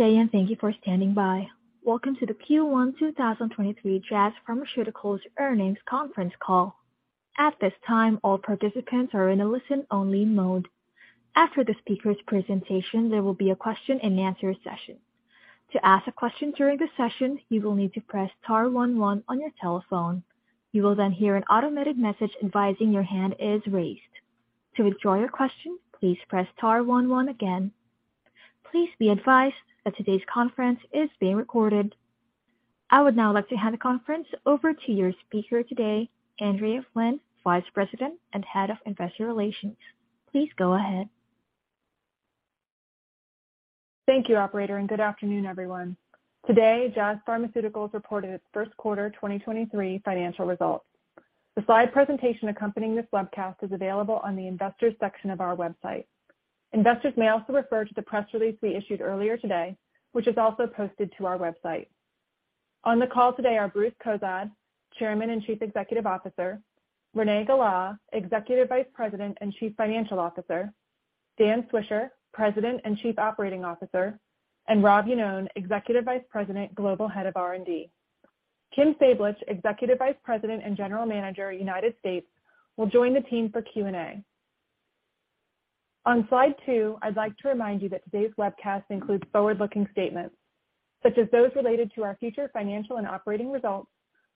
Good day, and thank you for standing by. Welcome to the Q1 2023 Jazz Pharmaceuticals Earnings Conference Call. At this time, all participants are in a listen-only mode. After the speaker's presentation, there will be a question-and-answer session. To ask a question during the session, you will need to press star one one on your telephone. You will then hear an automated message advising your hand is raised. To withdraw your question, please press star one one again. Please be advised that today's conference is being recorded. I would now like to hand the conference over to your speaker today, Andrea Flynn, Vice President and Head of Investor Relations. Please go ahead. Thank you, operator, good afternoon, everyone. Today, Jazz Pharmaceuticals reported its first quarter 2023 financial results. The slide presentation accompanying this webcast is available on the investors section of our website. Investors may also refer to the press release we issued earlier today, which is also posted to our website. On the call today are Bruce Cozadd, Chairman and Chief Executive Officer, Renée Galá, Executive Vice President and Chief Financial Officer, Dan Swisher, President and Chief Operating Officer, and Rob Iannone, Executive Vice President, Global Head of R&D. Kim Sablich, Executive Vice President and General Manager, United States, will join the team for Q&A. On slide two, I'd like to remind you that today's webcast includes forward-looking statements such as those related to our future financial and operating results,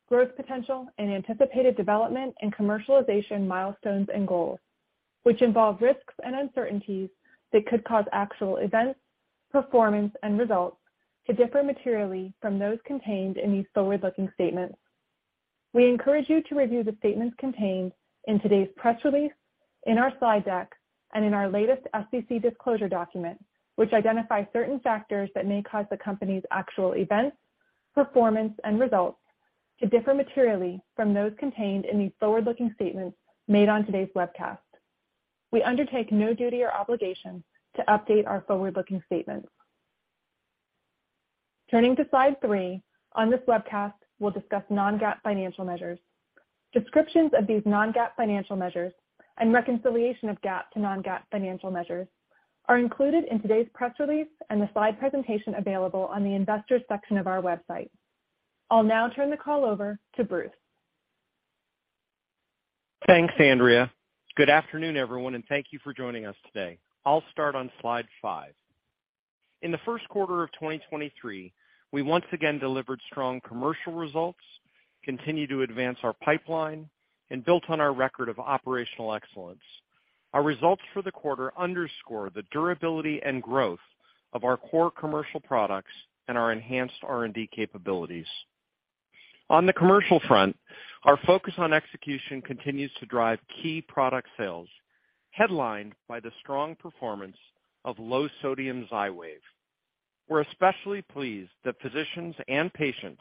growth potential and anticipated development and commercialization milestones and goals, which involve risks and uncertainties that could cause actual events, performance and results to differ materially from those contained in these forward-looking statements. We encourage you to review the statements contained in today's press release, in our slide deck, and in our latest SEC disclosure document, which identifies certain factors that may cause the company's actual events, performance, and results to differ materially from those contained in these forward-looking statements made on today's webcast. We undertake no duty or obligation to update our forward-looking statements. Turning to slide three. On this webcast, we'll discuss non-GAAP financial measures. Descriptions of these non-GAAP financial measures and reconciliation of GAAP to non-GAAP financial measures are included in today's press release and the slide presentation available on the investors section of our website. I'll now turn the call over to Bruce. Thanks, Andrea. Good afternoon, everyone, and thank you for joining us today. I'll start on slide 5. In the first quarter of 2023, we once again delivered strong commercial results, continued to advance our pipeline and built on our record of operational excellence. Our results for the quarter underscore the durability and growth of our core commercial products and our enhanced R&D capabilities. On the commercial front, our focus on execution continues to drive key product sales, headlined by the strong performance of low-sodium Xywav. We're especially pleased that physicians and patients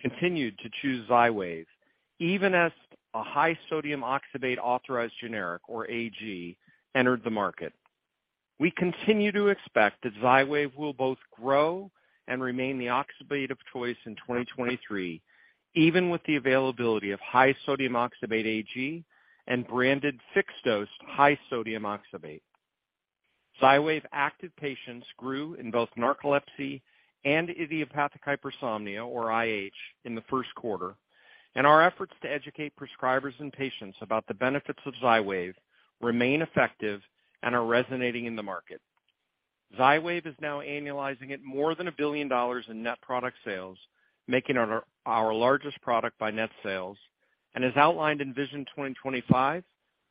continued to choose Xywav even as a high-sodium oxybate authorized generic, or AG, entered the market. We continue to expect that Xywav will both grow and remain the oxybate of choice in 2023, even with the availability of high-sodium oxybate AG and branded fixed-dose high-sodium oxybate. Xywav active patients grew in both narcolepsy and idiopathic hypersomnia, or IH, in the first quarter. Our efforts to educate prescribers and patients about the benefits of Xywav remain effective and are resonating in the market. Xywav is now annualizing at more than $1 billion in net product sales, making it our largest product by net sales. As outlined in Vision 2025,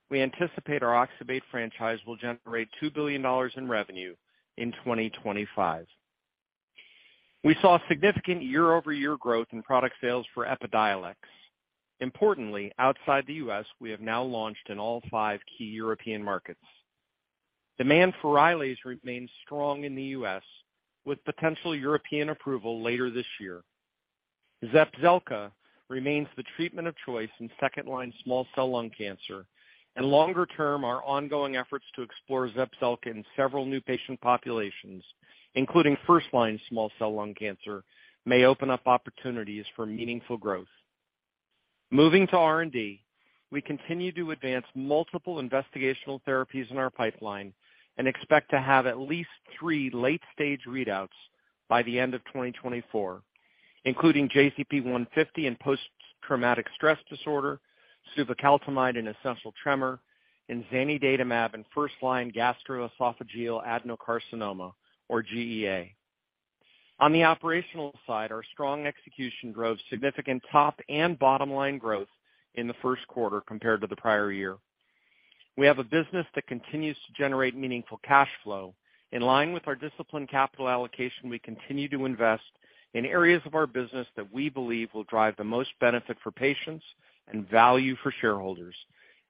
we anticipate our oxybate franchise will generate $2 billion in revenue in 2025. We saw significant year-over-year growth in product sales for Epidiolex. Importantly, outside the U.S., we have now launched in all five key European markets. Demand for Rylaze remains strong in the U.S., with potential European approval later this year. Zepzelca remains the treatment of choice in second-line small cell lung cancer. Longer term, our ongoing efforts to explore Zepzelca in several new patient populations, including first-line small cell lung cancer, may open up opportunities for meaningful growth. Moving to R&D, we continue to advance multiple investigational therapies in our pipeline and expect to have at least three late-stage readouts by the end of 2024, including JZP-150 in post-traumatic stress disorder, suvecaltamide in essential tremor, and Zanidatamab in first-line gastroesophageal adenocarcinoma, or GEA. On the operational side, our strong execution drove significant top and bottom-line growth in the first quarter compared to the prior year. We have a business that continues to generate meaningful cash flow. In line with our disciplined capital allocation, we continue to invest in areas of our business that we believe will drive the most benefit for patients and value for shareholders,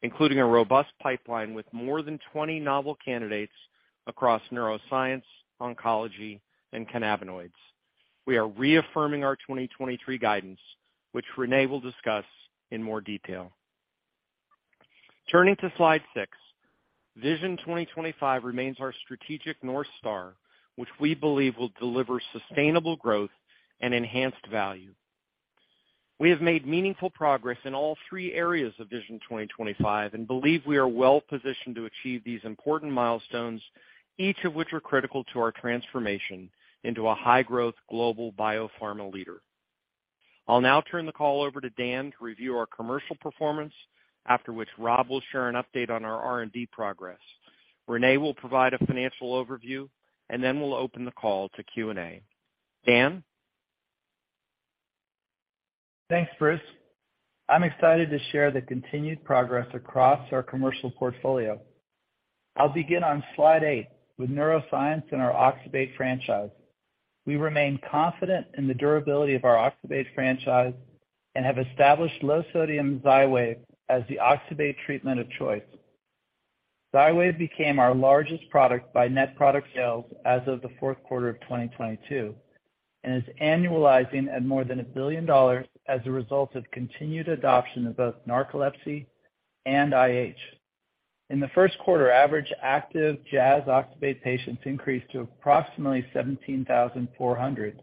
including a robust pipeline with more than 20 novel candidates across neuroscience, oncology and cannabinoids. We are reaffirming our 2023 guidance, which Renée will discuss in more detail. Turning to slide six. Vision 2025 remains our strategic North Star, which we believe will deliver sustainable growth and enhanced value. We have made meaningful progress in all three areas of Vision 2025 and believe we are well-positioned to achieve these important milestones, each of which are critical to our transformation into a high-growth global biopharma leader. I'll now turn the call over to Dan to review our commercial performance. After which, Rob will share an update on our R&D progress. Renée will provide a financial overview, and then we'll open the call to Q&A. Dan? Thanks, Bruce. I'm excited to share the continued progress across our commercial portfolio. I'll begin on slide eight with neuroscience and our oxybate franchise. We remain confident in the durability of our oxybate franchise and have established low sodium Xywav as the oxybate treatment of choice. Xywav became our largest product by net product sales as of the Q4 of 2022 and is annualizing at more than $1 billion as a result of continued adoption of both narcolepsy and IH. In the first quarter, average active Jazz oxybate patients increased to approximately 17,400,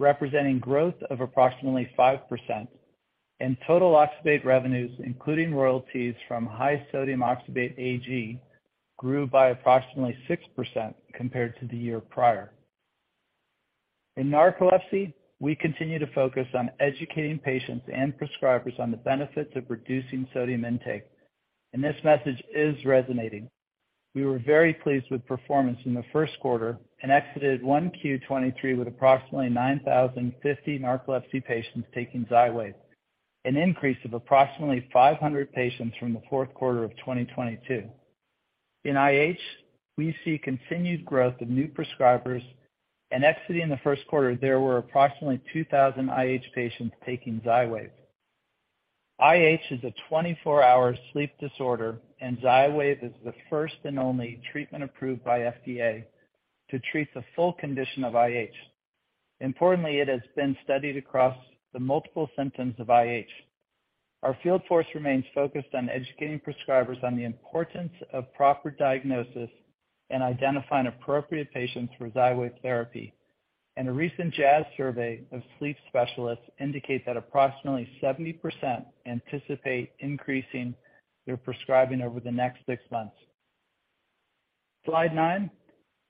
representing growth of approximately 5%, and total oxybate revenues, including royalties from high sodium oxybate AG, grew by approximately 6% compared to the year prior. In narcolepsy, we continue to focus on educating patients and prescribers on the benefits of reducing sodium intake, and this message is resonating. We were very pleased with performance in the first quarter and exited 1Q 2023 with approximately 9,050 narcolepsy patients taking Xywav, an increase of approximately 500 patients from the fourth quarter of 2022. In IH, we see continued growth of new prescribers, and exiting the first quarter, there were approximately 2,000 IH patients taking Xywav. IH is a 24-hour sleep disorder, and Xywav is the first and only treatment approved by FDA to treat the full condition of IH. Importantly, it has been studied across the multiple symptoms of IH. Our field force remains focused on educating prescribers on the importance of proper diagnosis and identifying appropriate patients for Xywav therapy. A recent Jazz survey of sleep specialists indicate that approximately 70% anticipate increasing their prescribing over the next six months. Slide nine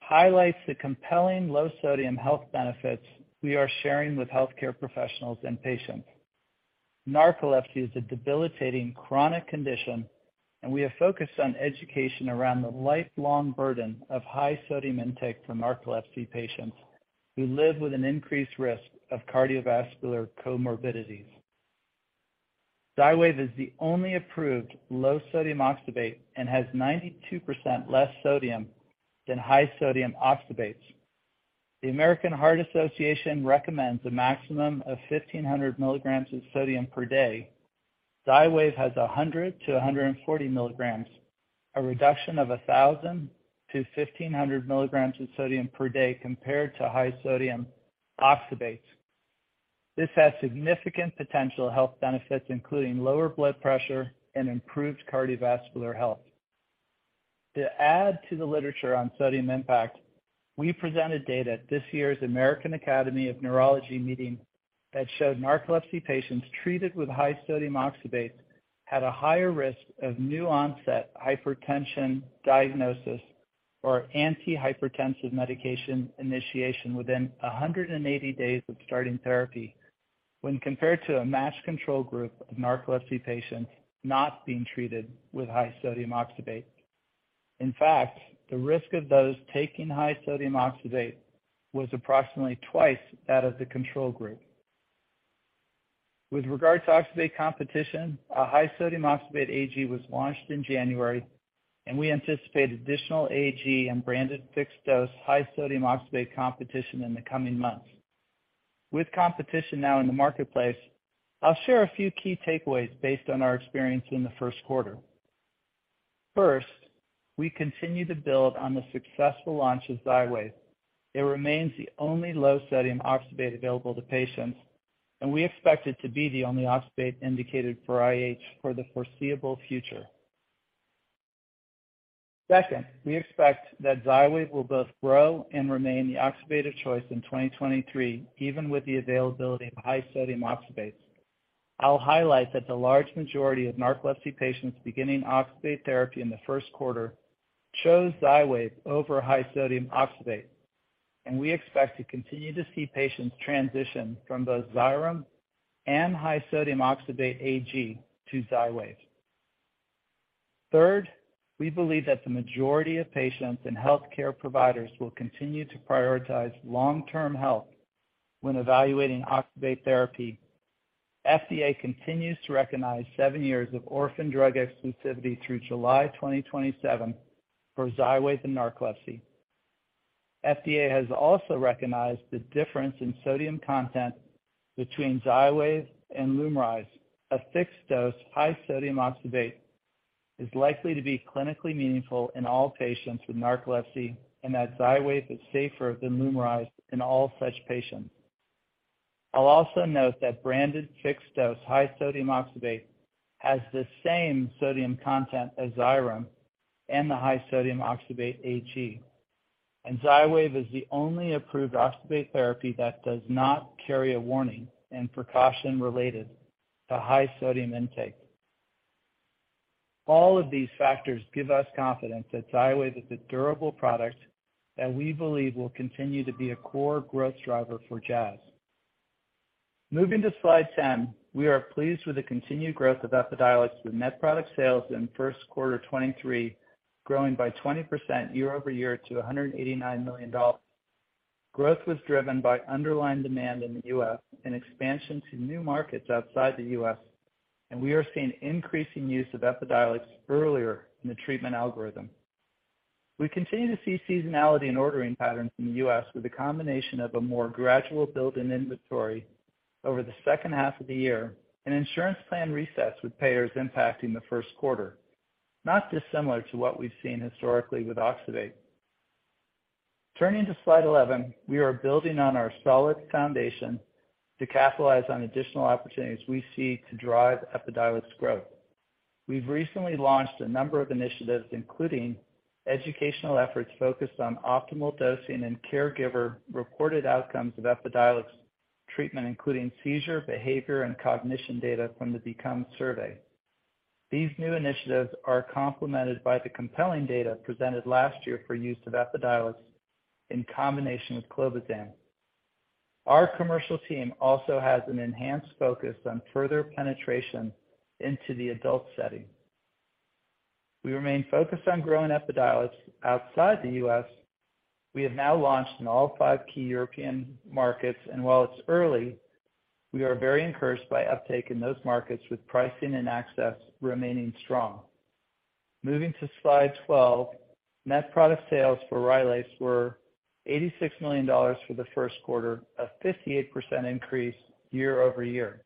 highlights the compelling low-sodium health benefits we are sharing with healthcare professionals and patients. Narcolepsy is a debilitating chronic condition, and we are focused on education around the lifelong burden of high-sodium intake for narcolepsy patients who live with an increased risk of cardiovascular comorbidities. Xywav is the only approved low-sodium oxybate and has 92% less sodium than high-sodium oxybates. The American Heart Association recommends a maximum of 1,500 milligrams of sodium per day. Xywav has 100-140 milligrams, a reduction of 1,000-1,500 milligrams of sodium per day compared to high-sodium oxybates. This has significant potential health benefits, including lower blood pressure and improved cardiovascular health. To add to the literature on sodium impact, we presented data at this year's American Academy of Neurology meeting that showed narcolepsy patients treated with high sodium oxybate had a higher risk of new-onset hypertension diagnosis or antihypertensive medication initiation within 180 days of starting therapy when compared to a matched control group of narcolepsy patients not being treated with high sodium oxybate. In fact, the risk of those taking high sodium oxybate was approximately twice that of the control group. With regards to oxybate competition, a high sodium oxybate AG was launched in January, and we anticipate additional AG and branded fixed-dose high sodium oxybate competition in the coming months. With competition now in the marketplace, I'll share a few key takeaways based on our experience in the first quarter. First, we continue to build on the successful launch of Xywav. It remains the only low sodium oxybate available to patients. We expect it to be the only oxybate indicated for IH for the foreseeable future. Second, we expect that Xywav will both grow and remain the oxybate of choice in 2023, even with the availability of high sodium oxybates. I'll highlight that the large majority of narcolepsy patients beginning oxybate therapy in the first quarter chose Xywav over high sodium oxybate, and we expect to continue to see patients transition from both Xyrem and high sodium oxybate AG to Xywav. Third, we believe that the majority of patients and healthcare providers will continue to prioritize long-term health when evaluating oxybate therapy. FDA continues to recognize seven years of orphan drug exclusivity through July 2027 for Xywav and narcolepsy. FDA has also recognized the difference in sodium content between Xywav and Lumryz, a fixed-dose high sodium oxybate, is likely to be clinically meaningful in all patients with narcolepsy and that Xywav is safer than Lumryz in all such patients. I'll also note that branded fixed-dose high sodium oxybate has the same sodium content as Xyrem and the high sodium oxybate. Xywav is the only approved oxybate therapy that does not carry a warning and precaution related to high sodium intake. All of these factors give us confidence that Xywav is a durable product that we believe will continue to be a core growth driver for Jazz. Moving to slide 10, we are pleased with the continued growth of Epidiolex, with net product sales in first quarter 2023 growing by 20% year-over-year to $189 million. Growth was driven by underlying demand in the U.S. and expansion to new markets outside the U.S. We are seeing increasing use of Epidiolex earlier in the treatment algorithm. We continue to see seasonality in ordering patterns in the U.S. with a combination of a more gradual build in inventory over the second half of the year, and insurance plan resets with payers impacting the first quarter, not dissimilar to what we've seen historically with oxybate. Turning to slide 11, we are building on our solid foundation to capitalize on additional opportunities we see to drive Epidiolex growth. We've recently launched a number of initiatives, including educational efforts focused on optimal dosing and caregiver-reported outcomes of Epidiolex treatment, including seizure, behavior, and cognition data from the BECOME Survey. These new initiatives are complemented by the compelling data presented last year for use of Epidiolex in combination with clobazam. Our commercial team also has an enhanced focus on further penetration into the adult setting. We remain focused on growing Epidiolex outside the U.S. We have now launched in all five key European markets, and while it's early, we are very encouraged by uptake in those markets, with pricing and access remaining strong. Moving to slide 12, net product sales for Rylaze were $86 million for the first quarter, a 58% increase year-over-year.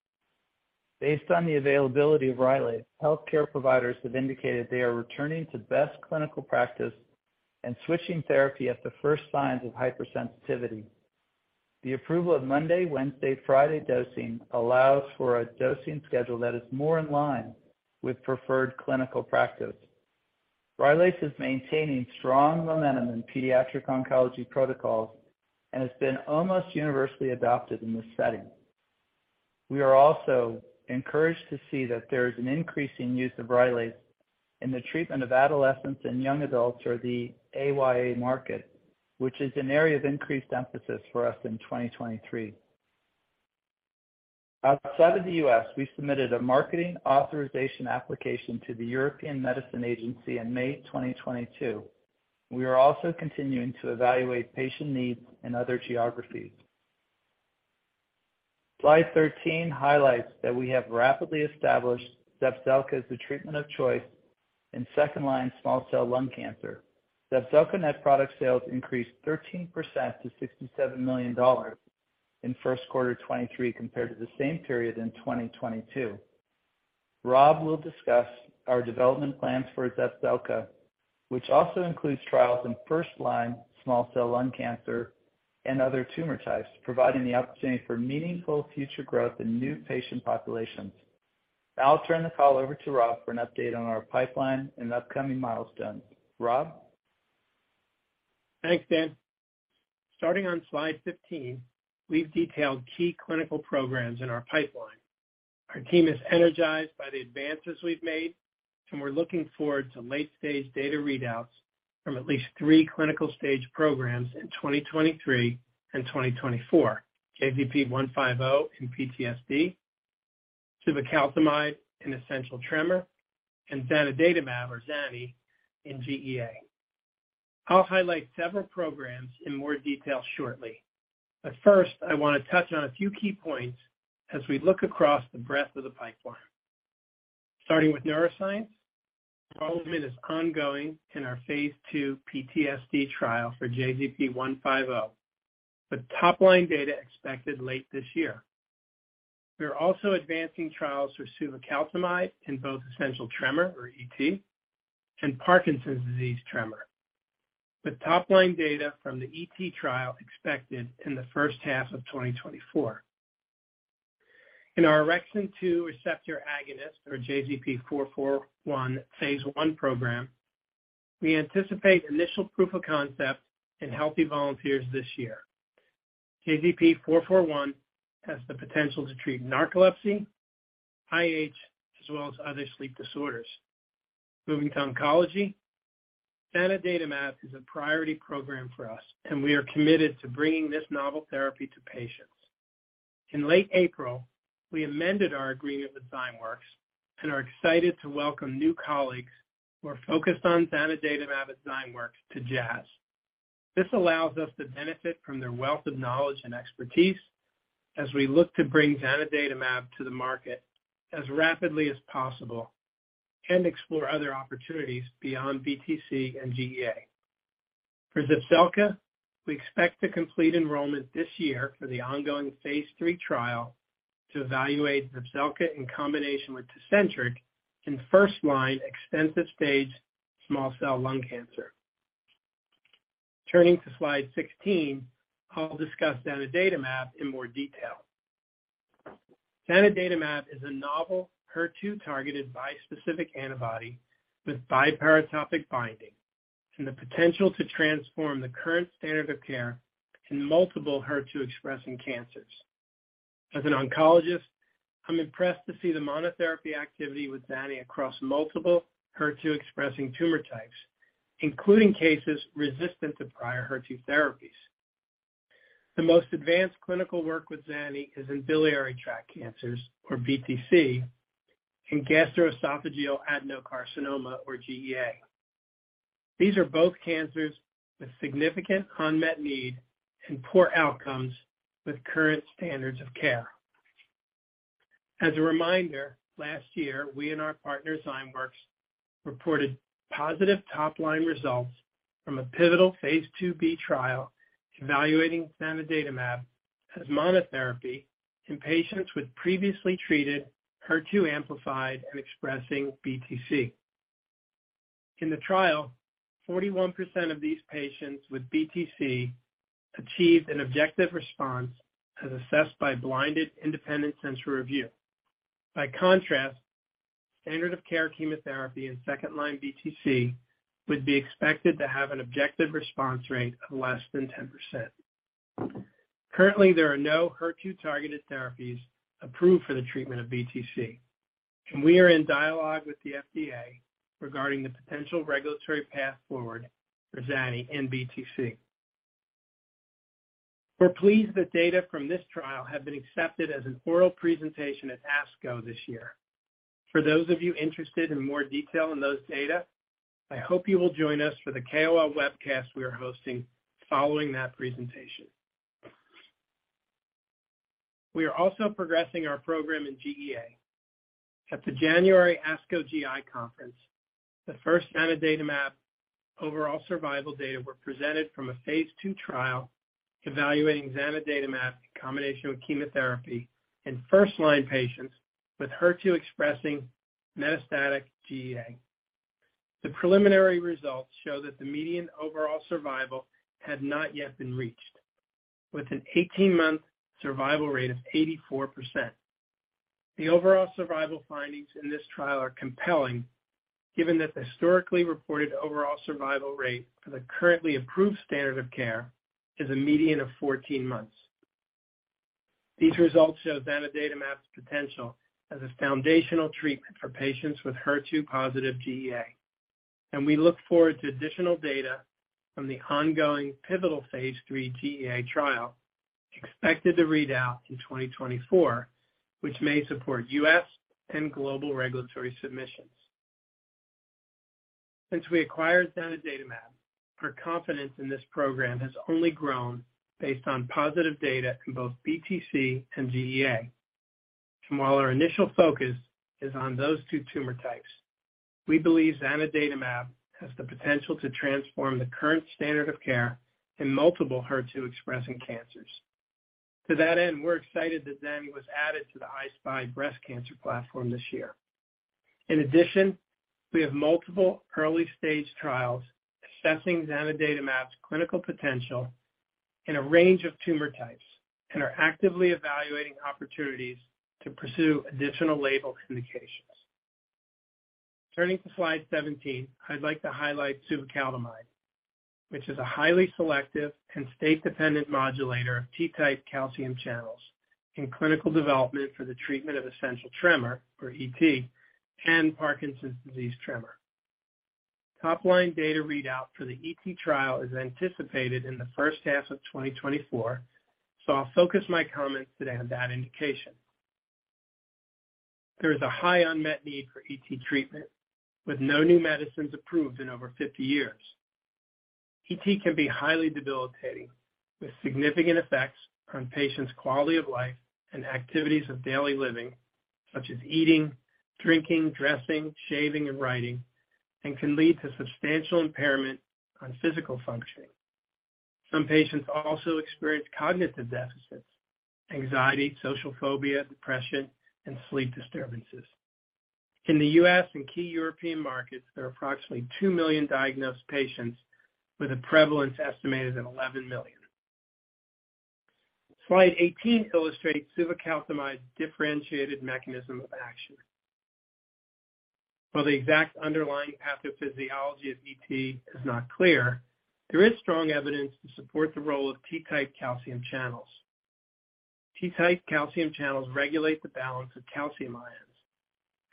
Based on the availability of Rylaze, healthcare providers have indicated they are returning to best clinical practice and switching therapy at the first signs of hypersensitivity. The approval of Monday, Wednesday, Friday dosing allows for a dosing schedule that is more in line with preferred clinical practice. Rylaze is maintaining strong momentum in pediatric oncology protocols and has been almost universally adopted in this setting. We are also encouraged to see that there is an increase in use of Rylaze in the treatment of adolescents and young adults or the AYA market, which is an area of increased emphasis for us in 2023. Outside of the U.S., we submitted a marketing authorization application to the European Medicines Agency in May 2022. We are also continuing to evaluate patient needs in other geographies. Slide 13 highlights that we have rapidly established Zepzelca as the treatment of choice in second-line small cell lung cancer. Zepzelca net product sales increased 13% to $67 million in Q1 2023 compared to the same period in 2022. Rob will discuss our development plans for Zepzelca, which also includes trials in first-line small cell lung cancer and other tumor types, providing the opportunity for meaningful future growth in new patient populations. Now I'll turn the call over to Rob for an update on our pipeline and upcoming milestones. Rob? Thanks, Dan. Starting on slide 15, we've detailed key clinical programs in our pipeline. Our team is energized by the advances we've made. We're looking forward to late-stage data readouts from at least three clinical stage programs in 2023 and 2024. JZP-150 in PTSD, suvecaltamide in essential tremor, and zanidatamab, or ZANI, in GEA. I'll highlight several programs in more detail shortly. First I want to touch on a few key points as we look across the breadth of the pipeline. Starting with neuroscience, enrollment is ongoing in our phase II PTSD trial for JZP-150, with top-line data expected late this year. We are also advancing trials for suvecaltamide in both essential tremor, or ET, and Parkinson's disease tremor, with top-line data from the ET trial expected in the first half of 2024. In our orexin-2 receptor agonist or JZP-441 phase 1 program, we anticipate initial proof of concept in healthy volunteers this year. JZP-441 has the potential to treat narcolepsy, IH, as well as other sleep disorders. Moving to oncology, zanidatamab is a priority program for us. We are committed to bringing this novel therapy to patients. In late April, we amended our agreement with Zymeworks. We are excited to welcome new colleagues who are focused on zanidatamab at Zymeworks to Jazz. This allows us to benefit from their wealth of knowledge and expertise as we look to bring zanidatamab to the market as rapidly as possible and explore other opportunities beyond BTC and GEA. For Zepzelca, we expect to complete enrollment this year for the ongoing phase III trial to evaluate Zepzelca in combination with Tecentriq in first-line extensive stage small cell lung cancer. Turning to slide 16, I'll discuss zanidatamab in more detail. Zanidatamab is a novel HER2-targeted bispecific antibody with biparatopic binding and the potential to transform the current standard of care in multiple HER2-expressing cancers. As an oncologist, I'm impressed to see the monotherapy activity with zani across multiple HER2-expressing tumor types, including cases resistant to prior HER2 therapies. The most advanced clinical work with zani is in biliary tract cancers, or BTC, and gastroesophageal adenocarcinoma or GEA. These are both cancers with significant unmet need and poor outcomes with current standards of care. As a reminder, last year, we and our partner Zymeworks reported positive top-line results from a pivotal phase II-B trial evaluating zanidatamab as monotherapy in patients with previously treated HER2 amplified and expressing BTC. In the trial, 41% of these patients with BTC achieved an objective response as assessed by blinded independent Central review. By contrast, standard of care chemotherapy in second-line BTC would be expected to have an objective response rate of less than 10%. Currently, there are no HER2-targeted therapies approved for the treatment of BTC, and we are in dialogue with the FDA regarding the potential regulatory path forward for zani in BTC. We're pleased that data from this trial have been accepted as an oral presentation at ASCO this year. For those of you interested in more detail on those data, I hope you will join us for the KOL webcast we are hosting following that presentation. We are also progressing our program in GEA. At the January ASCO GI conference, the first zanidatamab overall survival data were presented from a phase II trial evaluating zanidatamab in combination with chemotherapy in first-line patients with HER2 expressing metastatic GEA. The preliminary results show that the median overall survival had not yet been reached, with an 18 month survival rate of 84%. The overall survival findings in this trial are compelling, given that the historically reported overall survival rate for the currently approved standard of care is a median of 14 months. These results show zanidatamab's potential as a foundational treatment for patients with HER2 positive GEA, we look forward to additional data from the ongoing pivotal phase III GEA trial, expected to read out in 2024, which may support U.S. and global regulatory submissions. Since we acquired zanidatamab, our confidence in this program has only grown based on positive data in both BTC and GEA. While our initial focus is on those two tumor types, we believe zanidatamab has the potential to transform the current standard of care in multiple HER2-expressing cancers. To that end, we're excited that Zani was added to the I-SPY breast cancer platform this year. In addition, we have multiple early-stage trials assessing zanidatamab's clinical potential in a range of tumor types and are actively evaluating opportunities to pursue additional label indications. Turning to slide 17, I'd like to highlight suvecaltamide, which is a highly selective and state-dependent modulator of T-type calcium channels in clinical development for the treatment of essential tremor, or ET, and Parkinson's disease tremor. Top-line data readout for the ET trial is anticipated in the first half of 2024, so I'll focus my comments today on that indication. There is a high unmet need for ET treatment, with no new medicines approved in over 50 years. ET can be highly debilitating, with significant effects on patients' quality of life and activities of daily living, such as eating, drinking, dressing, shaving, and writing, and can lead to substantial impairment on physical functioning. Some patients also experience cognitive deficits, anxiety, social phobia, depression, and sleep disturbances. In the U.S. and key European markets, there are approximately two million diagnosed patients with a prevalence estimated at 11 million. Slide 18 illustrates suvecaltamide's differentiated mechanism of action. While the exact underlying pathophysiology of ET is not clear, there is strong evidence to support the role of T-type calcium channels. T-type calcium channels regulate the balance of calcium ions,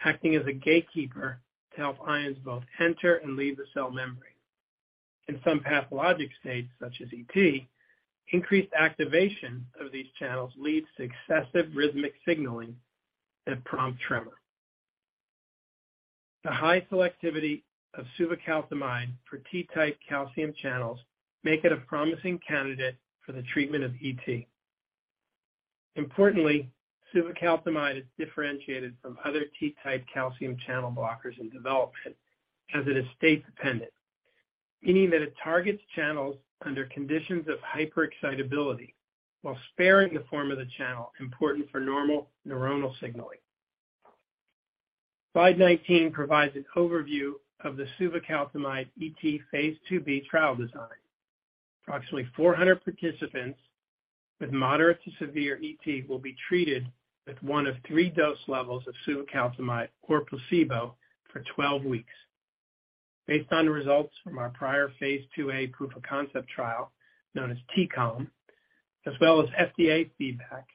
acting as a gatekeeper to help ions both enter and leave the cell membrane. In some pathologic states, such as ET, increased activation of these channels leads to excessive rhythmic signaling that prompt tremor. The high selectivity of suvecaltamide for T-type calcium channels make it a promising candidate for the treatment of ET. Importantly, suvecaltamide is differentiated from other T-type calcium channel blockers in development as it is state-dependent, meaning that it targets channels under conditions of hyperexcitability while sparing the form of the channel important for normal neuronal signaling. Slide 19 provides an overview of the suvecaltamide ET phase II-B trial design. Approximately 400 participants with moderate to severe ET will be treated with one of three dose levels of suvecaltamide or placebo for 12 weeks. Based on the results from our prior phase II-A proof of concept trial, known as TCOM, as well as FDA feedback,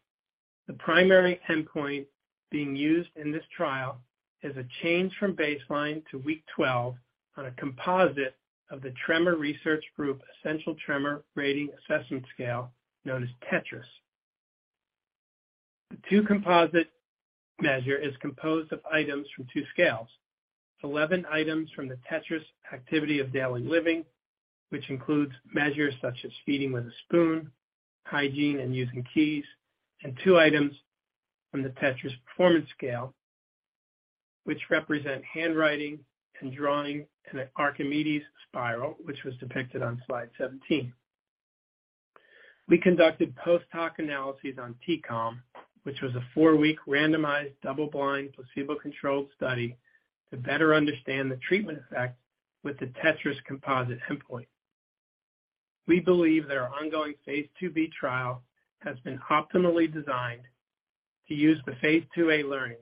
the primary endpoint being used in this trial is a change from baseline to week 12 on a composite of the Tremor Research Group Essential Tremor Rating Assessment Scale, known as TETRAS. The two composite measure is composed of items from two scales. 11 items from the TETRAS Activity of Daily Living, which includes measures such as feeding with a spoon, hygiene and using keys, and two items from the TETRAS performance scale, which represent handwriting and drawing in an Archimedes spiral, which was depicted on slide 17. We conducted post-hoc analyses on TCOM, which was a four week randomized double-blind placebo-controlled study to better understand the treatment effect with the TETRAS composite endpoint. We believe that our ongoing Phase 2B trial has been optimally designed to use the phase II-A learnings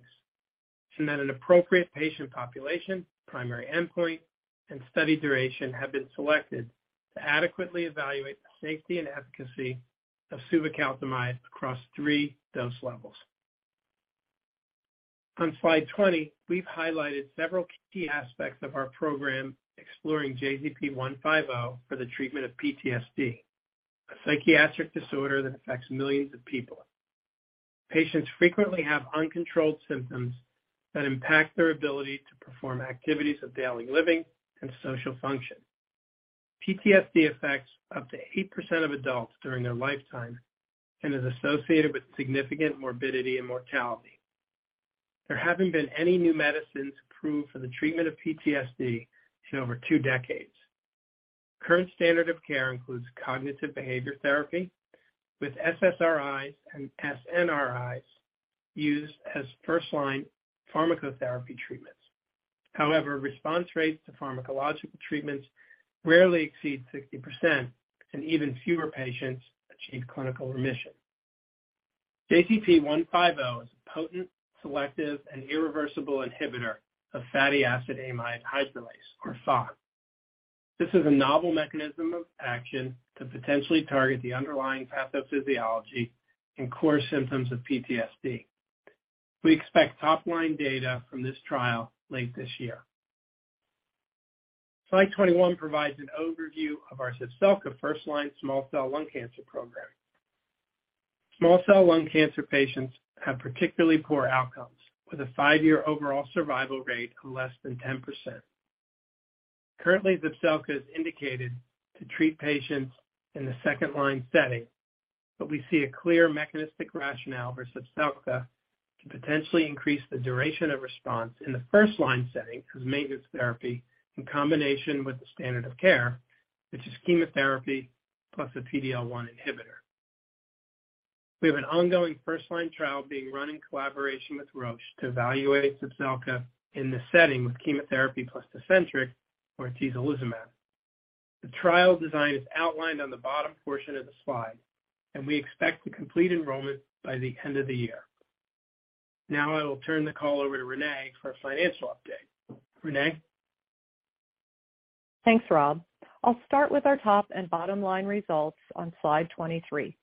and that an appropriate patient population, primary endpoint, and study duration have been selected to adequately evaluate the safety and efficacy of suvecaltamide across three dose levels. On slide 20, we've highlighted several key aspects of our program exploring JZP-150 for the treatment of PTSD, a psychiatric disorder that affects millions of people. Patients frequently have uncontrolled symptoms that impact their ability to perform activities of daily living and social function. PTSD affects up to 8% of adults during their lifetime and is associated with significant morbidity and mortality. There haven't been any new medicines approved for the treatment of PTSD in over two decades. Current standard of care includes cognitive behavior therapy with SSRIs and SNRIs used as first-line pharmacotherapy treatments. However, response rates to pharmacological treatments rarely exceed 60%, and even fewer patients achieve clinical remission. JZP-150 is a potent, selective, and irreversible inhibitor of fatty acid amide hydrolase, or FAAH. This is a novel mechanism of action to potentially target the underlying pathophysiology and core symptoms of PTSD. We expect top-line data from this trial late this year. Slide 21 provides an overview of our Zepzelca first-line small cell lung cancer program. Small cell lung cancer patients have particularly poor outcomes, with a five-year overall survival rate of less than 10%. Currently, Zepzelca is indicated to treat patients in the second-line setting, but we see a clear mechanistic rationale for Zepzelca to potentially increase the duration of response in the first-line setting as maintenance therapy in combination with the standard of care, which is chemotherapy plus a PD-L1 inhibitor. We have an ongoing first-line trial being run in collaboration with Roche to evaluate Zepzelca in the setting with chemotherapy plus Tecentriq or atezolizumab. The trial design is outlined on the bottom portion of the slide. We expect to complete enrollment by the end of the year. Now I will turn the call over to Renée for a financial update. Renée? Thanks, Rob. I'll start with our top and bottom-line results on slide 23.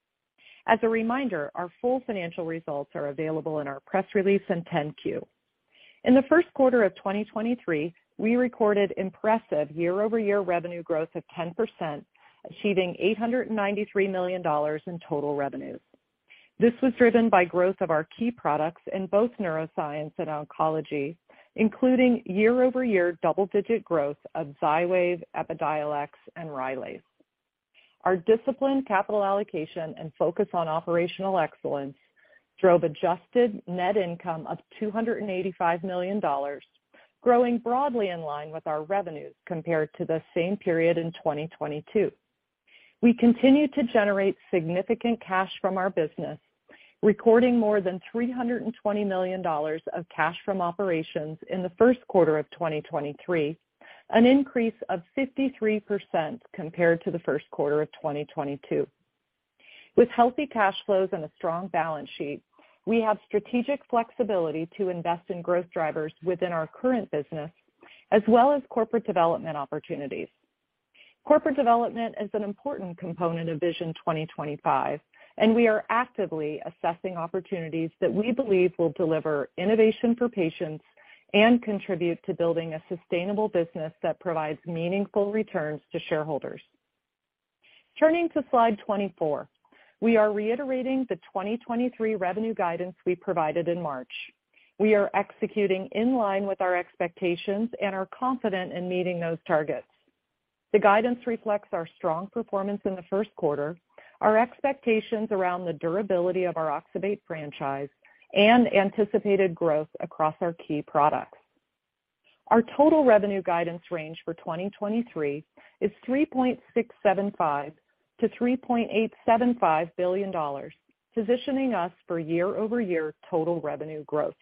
As a reminder, our full financial results are available in our press release and 10-Q. In the Q1 of 2023, we recorded impressive year-over-year revenue growth of 10%, achieving $893 million in total revenues. This was driven by growth of our key products in both neuroscience and oncology, including year-over-year double-digit growth of Xywav, Epidiolex, and Rylaze. Our disciplined capital allocation and focus on operational excellence drove adjusted net income of $285 million, growing broadly in line with our revenues compared to the same period in 2022. We continue to generate significant cash from our business, recording more than $320 million of cash from operations in the first quarter of 2023, an increase of 53% compared to the first quarter of 2022. With healthy cash flows and a strong balance sheet, we have strategic flexibility to invest in growth drivers within our current business as well as corporate development opportunities. Corporate development is an important component of Vision 2025. We are actively assessing opportunities that we believe will deliver innovation for patients and contribute to building a sustainable business that provides meaningful returns to shareholders. Turning to slide 24. We are reiterating the 2023 revenue guidance we provided in March. We are executing in line with our expectations and are confident in meeting those targets. The guidance reflects our strong performance in the first quarter, our expectations around the durability of our oxybate franchise, and anticipated growth across our key products. Our total revenue guidance range for 2023 is $3.675 billion-$3.875 billion, positioning us for year-over-year total revenue growth.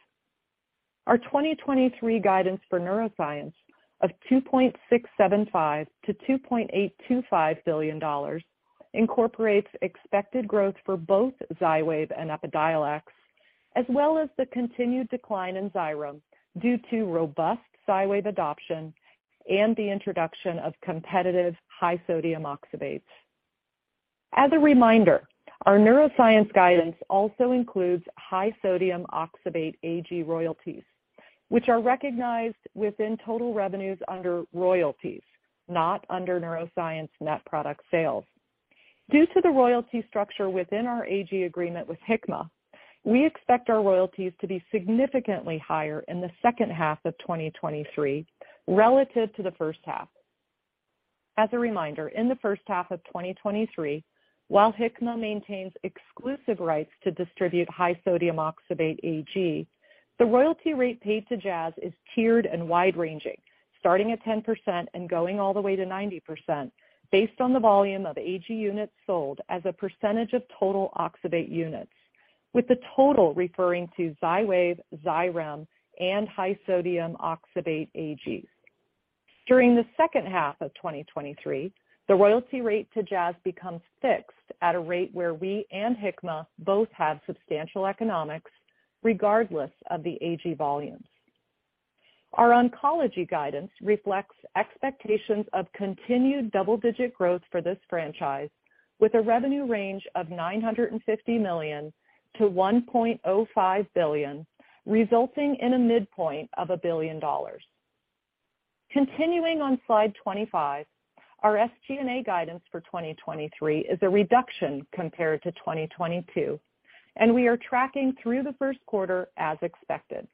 Our 2023 guidance for neuroscience of $2.675 billion-$2.825 billion incorporates expected growth for both Xywav and Epidiolex, as well as the continued decline in Xyrem due to robust Xywav adoption and the introduction of competitive high sodium oxybate. As a reminder, our neuroscience guidance also includes high sodium oxybate AG royalties, which are recognized within total revenues under royalties, not under neuroscience net product sales. Due to the royalty structure within our AG agreement with Hikma, we expect our royalties to be significantly higher in the second half of 2023 relative to the first half. As a reminder, in the first half of 2023, while Hikma maintains exclusive rights to distribute high sodium oxybate AG, the royalty rate paid to Jazz is tiered and wide-ranging, starting at 10% and going all the way to 90% based on the volume of AG units sold as a percentage of total oxybate units, with the total referring to Xywav, Xyrem, and high sodium oxybate AG. During the second half of 2023, the royalty rate to Jazz becomes fixed at a rate where we and Hikma both have substantial economics regardless of the AG volumes. Our oncology guidance reflects expectations of continued double-digit growth for this franchise with a revenue range of $950 million-$1.05 billion, resulting in a midpoint of $1 billion. Continuing on slide 25, our SG&A guidance for 2023 is a reduction compared to 2022. We are tracking through the first quarter as expected.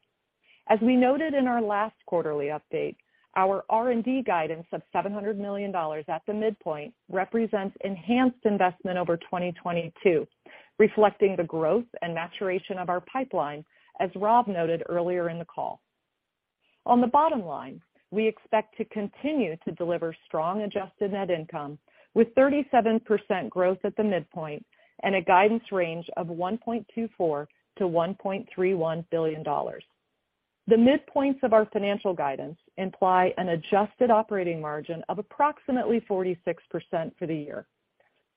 As we noted in our last quarterly update, our R&D guidance of $700 million at the midpoint represents enhanced investment over 2022, reflecting the growth and maturation of our pipeline, as Rob noted earlier in the call. On the bottom line, we expect to continue to deliver strong adjusted net income with 37% growth at the midpoint and a guidance range of $1.24 billion-$1.31 billion. The midpoints of our financial guidance imply an adjusted operating margin of approximately 46% for the year.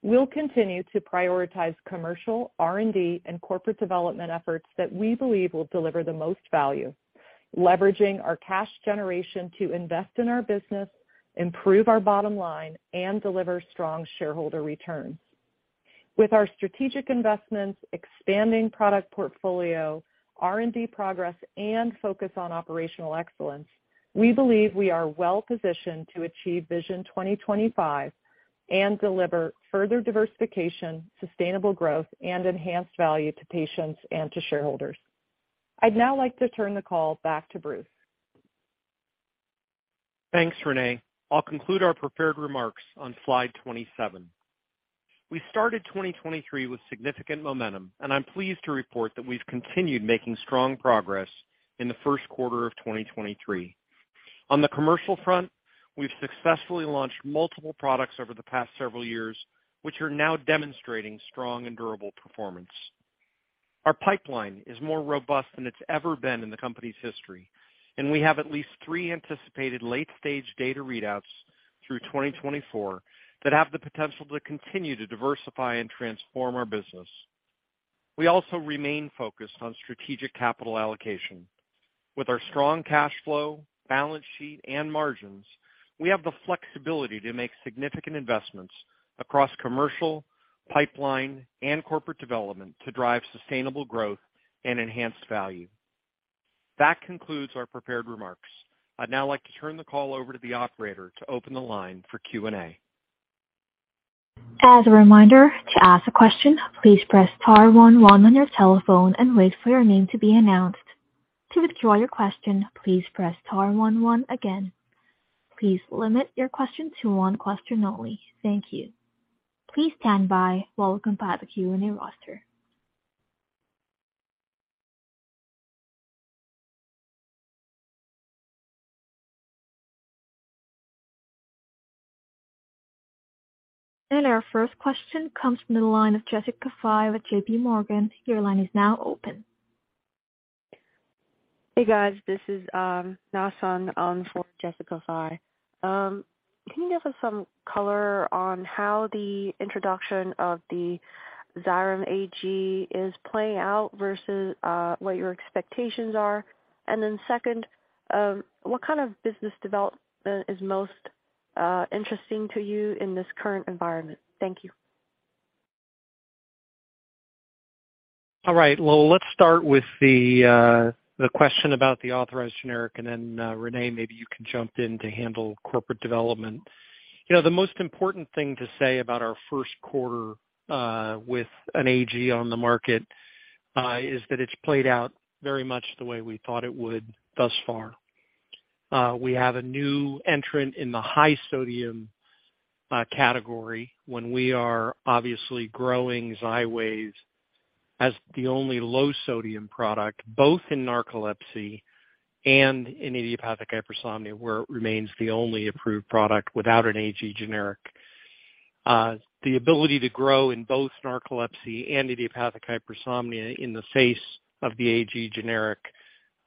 We'll continue to prioritize commercial, R&D, and corporate development efforts that we believe will deliver the most value, leveraging our cash generation to invest in our business, improve our bottom line and deliver strong shareholder returns. With our strategic investments, expanding product portfolio, R&D progress and focus on operational excellence, we believe we are well-positioned to achieve Vision 2025 and deliver further diversification, sustainable growth and enhanced value to patients and to shareholders. I'd now like to turn the call back to Bruce. Thanks, Renée. I'll conclude our prepared remarks on slide 27. We started 2023 with significant momentum, and I'm pleased to report that we've continued making strong progress in the first quarter of 2023. On the commercial front, we've successfully launched multiple products over the past several years, which are now demonstrating strong and durable performance. Our pipeline is more robust than it's ever been in the company's history, and we have at least three anticipated late-stage data readouts through 2024 that have the potential to continue to diversify and transform our business. We also remain focused on strategic capital allocation. With our strong cash flow, balance sheet and margins, we have the flexibility to make significant investments across commercial, pipeline, and corporate development to drive sustainable growth and enhance value. That concludes our prepared remarks. I'd now like to turn the call over to the operator to open the line for Q&A. As a reminder, to ask a question, please press star one one on your telephone and wait for your name to be announced. To withdraw your question, please press star one one again. Please limit your question to one question only. Thank you. Please stand by while we compile the Q&A roster. Our first question comes from the line of Jessica Fye with J.P. Morgan. Your line is now open. Hey, guys. This is Na Sun on for Jessica Fye. Can you give us some color on how the introduction of the Xyrem AG is playing out versus what your expectations are? Second, what kind of business development is most interesting to you in this current environment? Thank you. All right, well, let's start with the question about the authorized generic, and then, Renée, maybe you can jump in to handle corporate development. You know, the most important thing to say about our first quarter with an AG on the market is that it's played out very much the way we thought it would thus far. We have a new entrant in the high sodium- Category when we are obviously growing Xywav as the only low sodium product, both in narcolepsy and in idiopathic hypersomnia, where it remains the only approved product without an AG generic. The ability to grow in both narcolepsy and idiopathic hypersomnia in the face of the AG generic,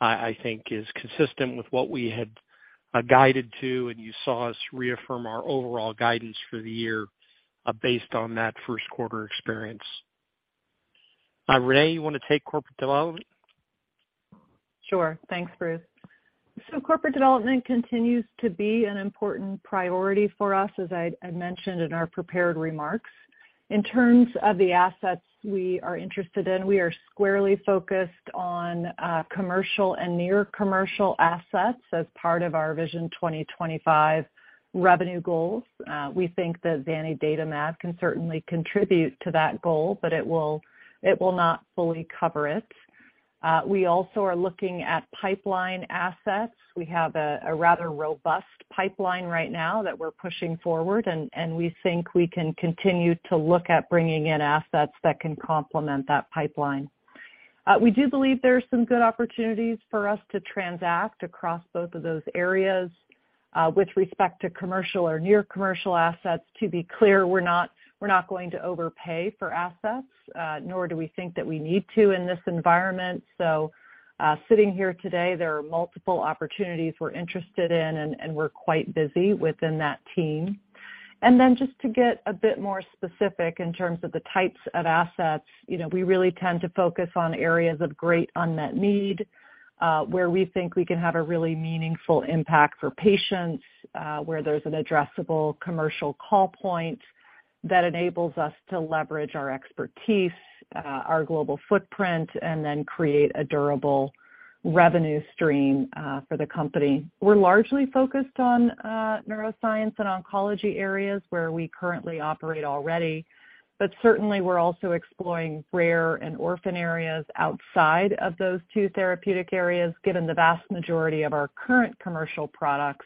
I think is consistent with what we had guided to, and you saw us reaffirm our overall guidance for the year based on that first quarter experience. Renée, you want to take corporate development? Sure. Thanks, Bruce. Corporate development continues to be an important priority for us, as I mentioned in our prepared remarks. In terms of the assets we are interested in, we are squarely focused on commercial and near commercial assets as part of our Vision 2025 revenue goals. We think that zanidatamab can certainly contribute to that goal, but it will not fully cover it. We also are looking at pipeline assets. We have a rather robust pipeline right now that we're pushing forward, and we think we can continue to look at bringing in assets that can complement that pipeline. We do believe there are some good opportunities for us to transact across both of those areas. With respect to commercial or near commercial assets, to be clear, we're not going to overpay for assets, nor do we think that we need to in this environment. Sitting here today, there are multiple opportunities we're interested in, and we're quite busy within that team. Just to get a bit more specific in terms of the types of assets, you know, we really tend to focus on areas of great unmet need, where we think we can have a really meaningful impact for patients, where there's an addressable commercial call point that enables us to leverage our expertise, our global footprint, and then create a durable revenue stream for the company. We're largely focused on neuroscience and oncology areas where we currently operate already. Certainly we're also exploring rare and orphan areas outside of those two therapeutic areas, given the vast majority of our current commercial products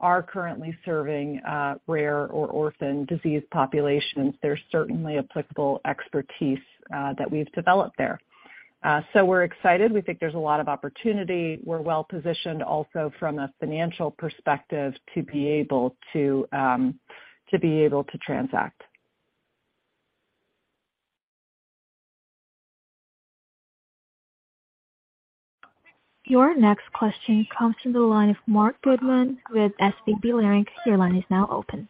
are currently serving rare or orphan disease populations. There's certainly applicable expertise that we've developed there. We're excited. We think there's a lot of opportunity. We're well-positioned also from a financial perspective to be able to transact. Your next question comes from the line of Marc Goodman with SVB Leerink. Your line is now open.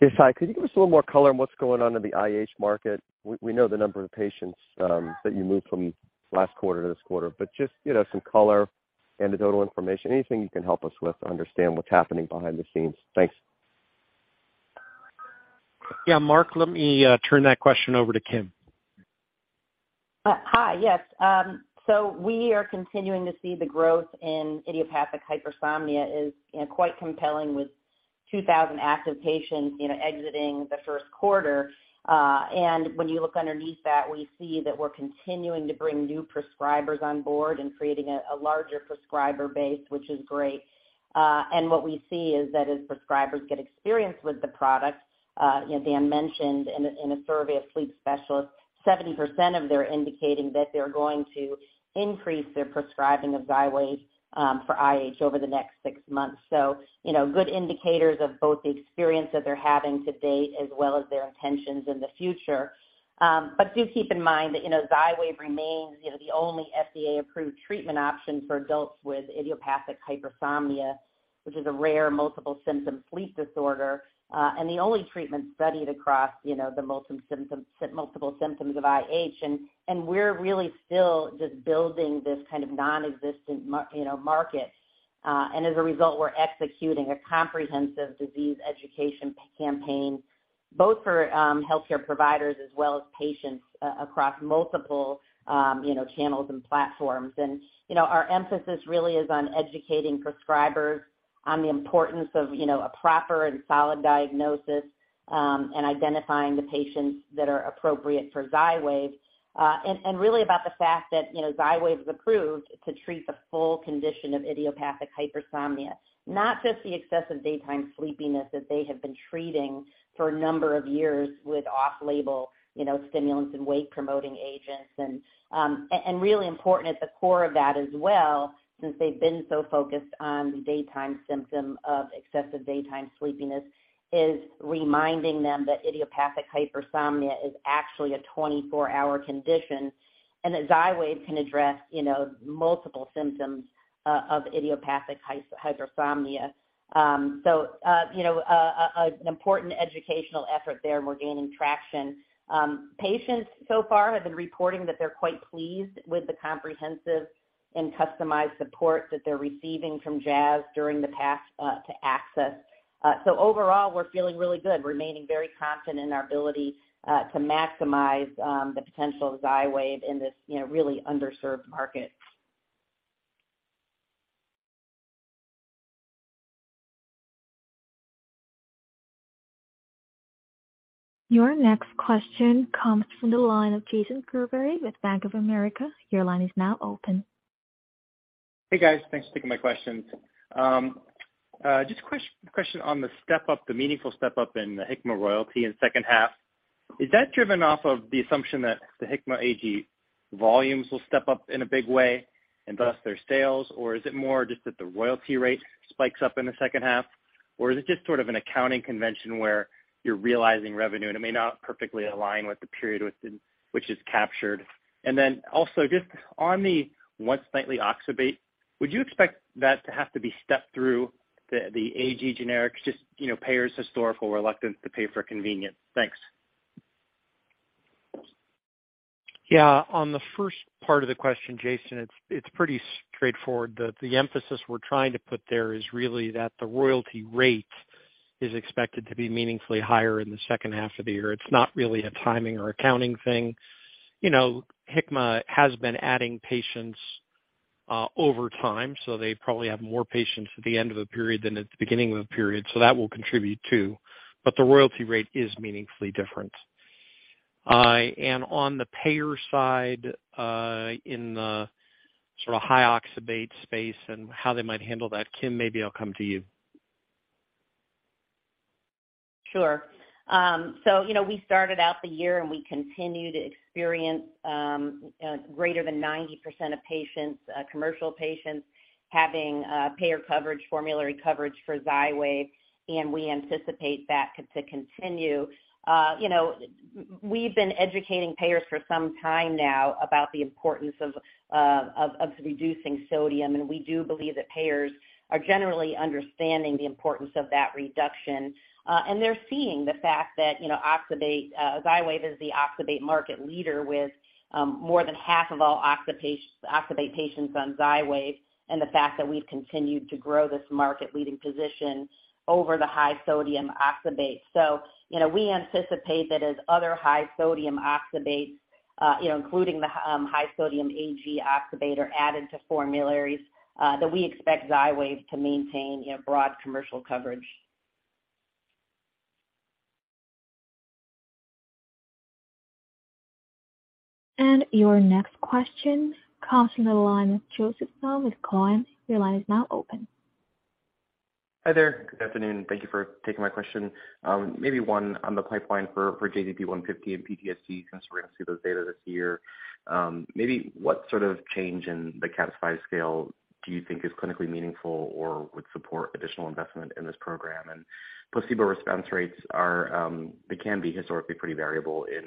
Yes. Hi. Could you give us a little more color on what's going on in the IH market? We know the number of patients that you moved from last quarter to this quarter, but just, you know, some color, anecdotal information, anything you can help us with to understand what's happening behind the scenes. Thanks. Yeah. Marc, let me turn that question over to Kim. Hi. Yes. We are continuing to see the growth in idiopathic hypersomnia is, you know, quite compelling with 2,000 active patients, you know, exiting the first quarter. When you look underneath that, we see that we're continuing to bring new prescribers on board and creating a larger prescriber base, which is great. What we see is that as prescribers get experienced with the product, you know, Dan mentioned in a survey of sleep specialists, 70% of they're indicating that they're going to increase their prescribing of Xywav for IH over the next six months. You know, good indicators of both the experience that they're having to date as well as their intentions in the future. Do keep in mind that, you know, XYWAV remains, you know, the only FDA-approved treatment option for adults with idiopathic hypersomnia, which is a rare multiple symptom sleep disorder, and the only treatment studied across, you know, the multiple symptoms of IH. We're really still just building this kind of nonexistent, you know, market. As a result, we're executing a comprehensive disease education campaign, both for healthcare providers as well as patients across multiple, you know, channels and platforms. You know, our emphasis really is on educating prescribers on the importance of, you know, a proper and solid diagnosis, and identifying the patients that are appropriate for XYWAV, and really about the fact that, you know, XYWAV is approved to treat the full condition of idiopathic hypersomnia, not just the excessive daytime sleepiness that they have been treating for a number of years with off-label, you know, stimulants and wake promoting agents. Really important at the core of that as well, since they've been so focused on the daytime symptom of excessive daytime sleepiness, is reminding them that idiopathic hypersomnia is actually a 24-hour condition and that XYWAV can address, you know, multiple symptoms of idiopathic hypersomnia. You know, an important educational effort there, and we're gaining traction. Patients so far have been reporting that they're quite pleased with the comprehensive and customized support that they're receiving from Jazz during the path to access. Overall, we're feeling really good, remaining very confident in our ability to maximize the potential of Xywav in this, you know, really underserved market. Your next question comes from the line of Jason Gerberry with Bank of America. Your line is now open. Hey, guys. Thanks for taking my questions. Just a question on the step up, the meaningful step up in the Hikma royalty in the second half. Is that driven off of the assumption that the Hikma AG volumes will step up in a big way and thus their sales? Or is it more just that the royalty rate spikes up in the second half? Or is it just sort of an accounting convention where you're realizing revenue and it may not perfectly align with the period which is captured? Just on the once nightly oxybate, would you expect that to have to be stepped through the AG generic, just, you know, payers historical reluctance to pay for convenience? Thanks. Yeah. On the first part of the question, Jason, it's pretty straightforward. The, the emphasis we're trying to put there is really that the royalty rate is expected to be meaningfully higher in the second half of the year. It's not really a timing or accounting thing. You know, Hikma has been adding patients over time, so they probably have more patients at the end of a period than at the beginning of a period. That will contribute, too. The royalty rate is meaningfully different. On the payer side, in the sort of high oxybate space and how they might handle that, Kim, maybe I'll come to you. Sure. You know, we started out the year, we continue to experience greater than 90% of patients, commercial patients having payer coverage, formulary coverage for XYWAV. We anticipate that to continue. You know, we've been educating payers for some time now about the importance of reducing sodium. We do believe that payers are generally understanding the importance of that reduction. They're seeing the fact that, you know, oxybate, XYWAV is the oxybate market leader with more than half of all oxybate patients on XYWAV and the fact that we've continued to grow this market-leading position over the high sodium oxybate. you know, we anticipate that as other high sodium oxybate, you know, including the, high sodium AG oxybate are added to formularies, that we expect XYWAV to maintain, you know, broad commercial coverage. Your next question comes from the line of Joseph Thome with TD Cowen. Your line is now open. Hi there. Good afternoon. Thank you for taking my question. Maybe one on the pipeline for JZP-150 and PTSD, since we're gonna see those data this year. Maybe what sort of change in the CAPS-5 scale do you think is clinically meaningful or would support additional investment in this program? Placebo response rates are, they can be historically pretty variable in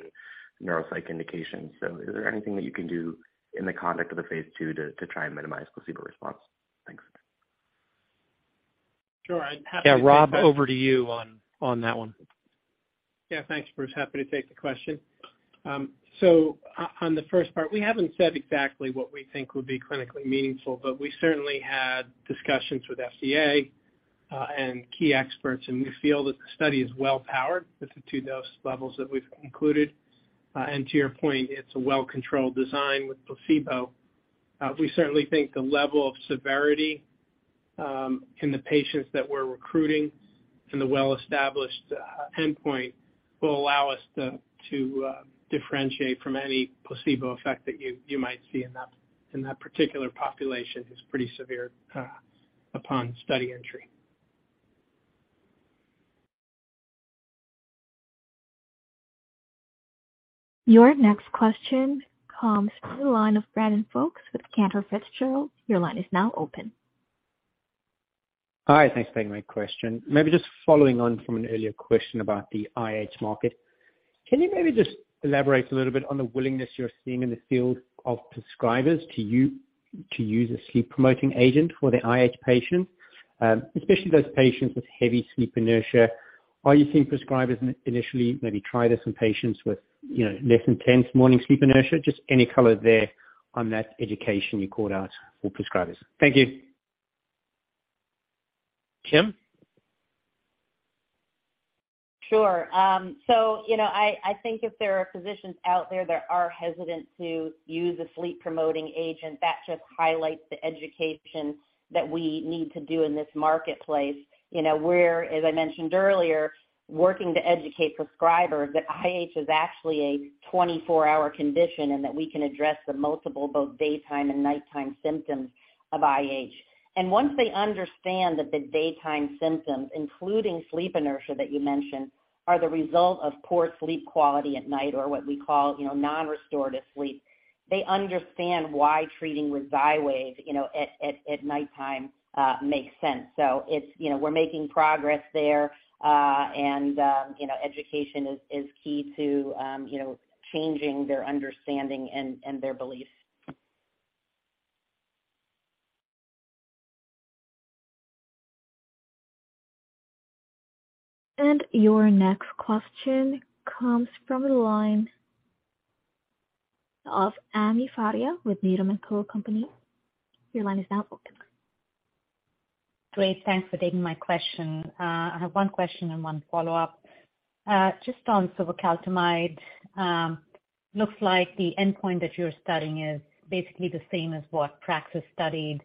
neuropsych indications. Is there anything that you can do in the conduct of the phase II to try and minimize placebo response? Thanks. Sure. I'd be happy to. Yeah. Rob, over to you on that one. Thanks, Bruce. Happy to take the question. On the first part, we haven't said exactly what we think would be clinically meaningful, but we certainly had discussions with FDA and key experts, and we feel that the study is well powered with the two dose levels that we've included. To your point, it's a well-controlled design with placebo. We certainly think the level of severity in the patients that we're recruiting and the well-established endpoint will allow us to differentiate from any placebo effect that you might see in that particular population is pretty severe upon study entry. Your next question comes from the line of Brandon Folkes with Cantor Fitzgerald. Your line is now open. Hi. Thanks for taking my question. Maybe just following on from an earlier question about the IH market. Can you maybe just elaborate a little bit on the willingness you're seeing in the field of prescribers to use a sleep-promoting agent for the IH patient, especially those patients with heavy sleep inertia? Are you seeing prescribers initially maybe try this in patients with, you know, less intense morning sleep inertia? Just any color there on that education you called out for prescribers. Thank you. Kim? Sure. You know, I think if there are physicians out there that are hesitant to use a sleep-promoting agent, that just highlights the education that we need to do in this marketplace. You know, we're, as I mentioned earlier, working to educate prescribers that IH is actually a 24-hour condition and that we can address the multiple, both daytime and nighttime symptoms of IH. Once they understand that the daytime symptoms, including sleep inertia that you mentioned, are the result of poor sleep quality at night or what we call, you know, non-restorative sleep, they understand why treating with XYWAV, you know, at, at nighttime makes sense. It's, you know, we're making progress there, and, you know, education is key to, you know, changing their understanding and their beliefs. Your next question comes from the line of Ami Fadia with Needham & Company. Your line is now open. Great. Thanks for taking my question. I have one question and one follow-up. Just on suvecaltamide. Looks like the endpoint that you're studying is basically the same as what Praxis studied,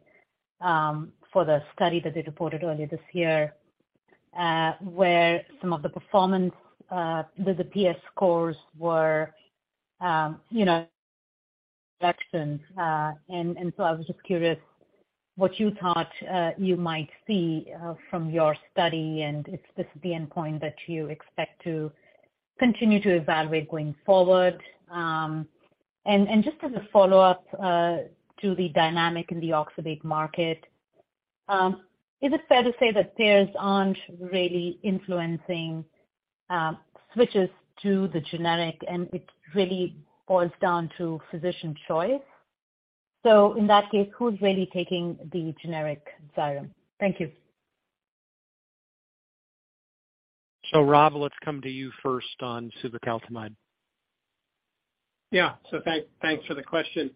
for the study that they reported earlier this year, where some of the performance, the PS scores were, you know, Rob, let's come to you first on suvecaltamide. Yeah. Thanks, thanks for the question.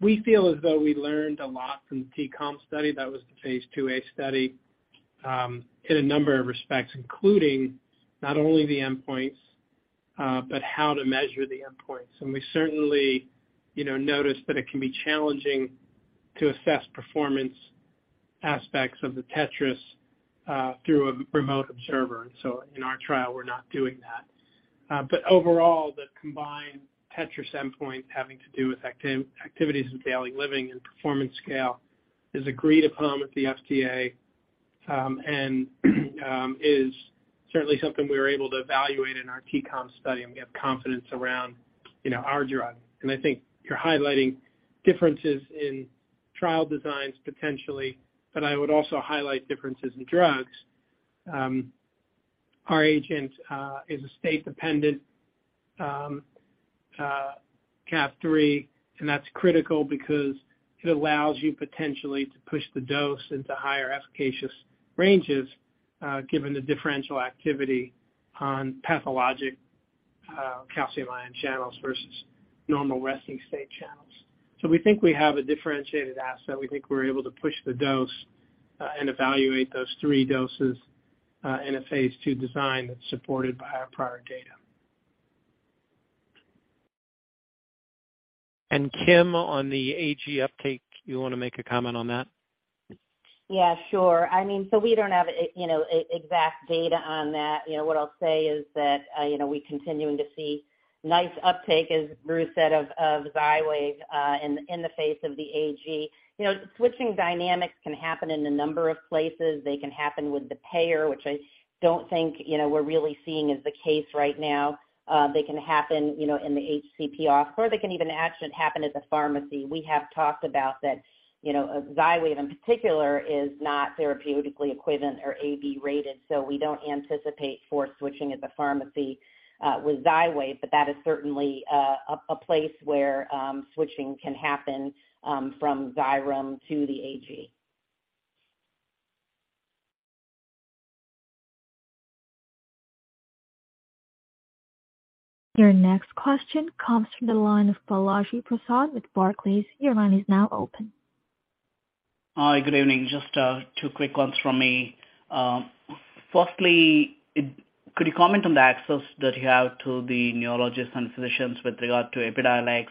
We feel as though we learned a lot from the TCOM study, that was the phase II-A study, in a number of respects, including not only the endpoints, but how to measure the endpoints. We certainly, you know, noticed that it can be challenging to assess performance aspects of the TETRAS through a remote observer. In our trial, we're not doing that. Overall, the combined TETRAS endpoint having to do with activities of daily living and performance scale is agreed upon with the FDA, and is certainly something we were able to evaluate in our TCOM study, and we have confidence around, you know, our drug. I think you're highlighting differences in trial designs potentially, but I would also highlight differences in drugs. Our agent is a state dependent CaV3, that's critical because it allows you potentially to push the dose into higher efficacious ranges, given the differential activity on pathologic calcium ion channels versus normal resting state channels. We think we have a differentiated asset. We think we're able to push the dose and evaluate those three doses in a phase II design that's supported by our prior data. Kim, on the AG uptake, you wanna make a comment on that? Yeah, sure. I mean, we don't have exact data on that. You know, what I'll say is that, you know, we continuing to see nice uptake, as Bruce said, of Xywav, in the face of the AG. You know, switching dynamics can happen in a number of places. They can happen with the payer, which I don't think, you know, we're really seeing is the case right now. They can happen, you know, in the HCP offer, they can even actually happen at the pharmacy. We have talked about that, you know, Xywav in particular is not therapeutically equivalent or AB-rated, so we don't anticipate for switching at the pharmacy, with Xywav. That is certainly, a place where switching can happen from Xyrem to the AG. Your next question comes from the line of Balaji Prasad with Barclays. Your line is now open. Hi, good evening. Just two quick ones from me. Firstly, could you comment on the access that you have to the neurologists and physicians with regard to Epidiolex?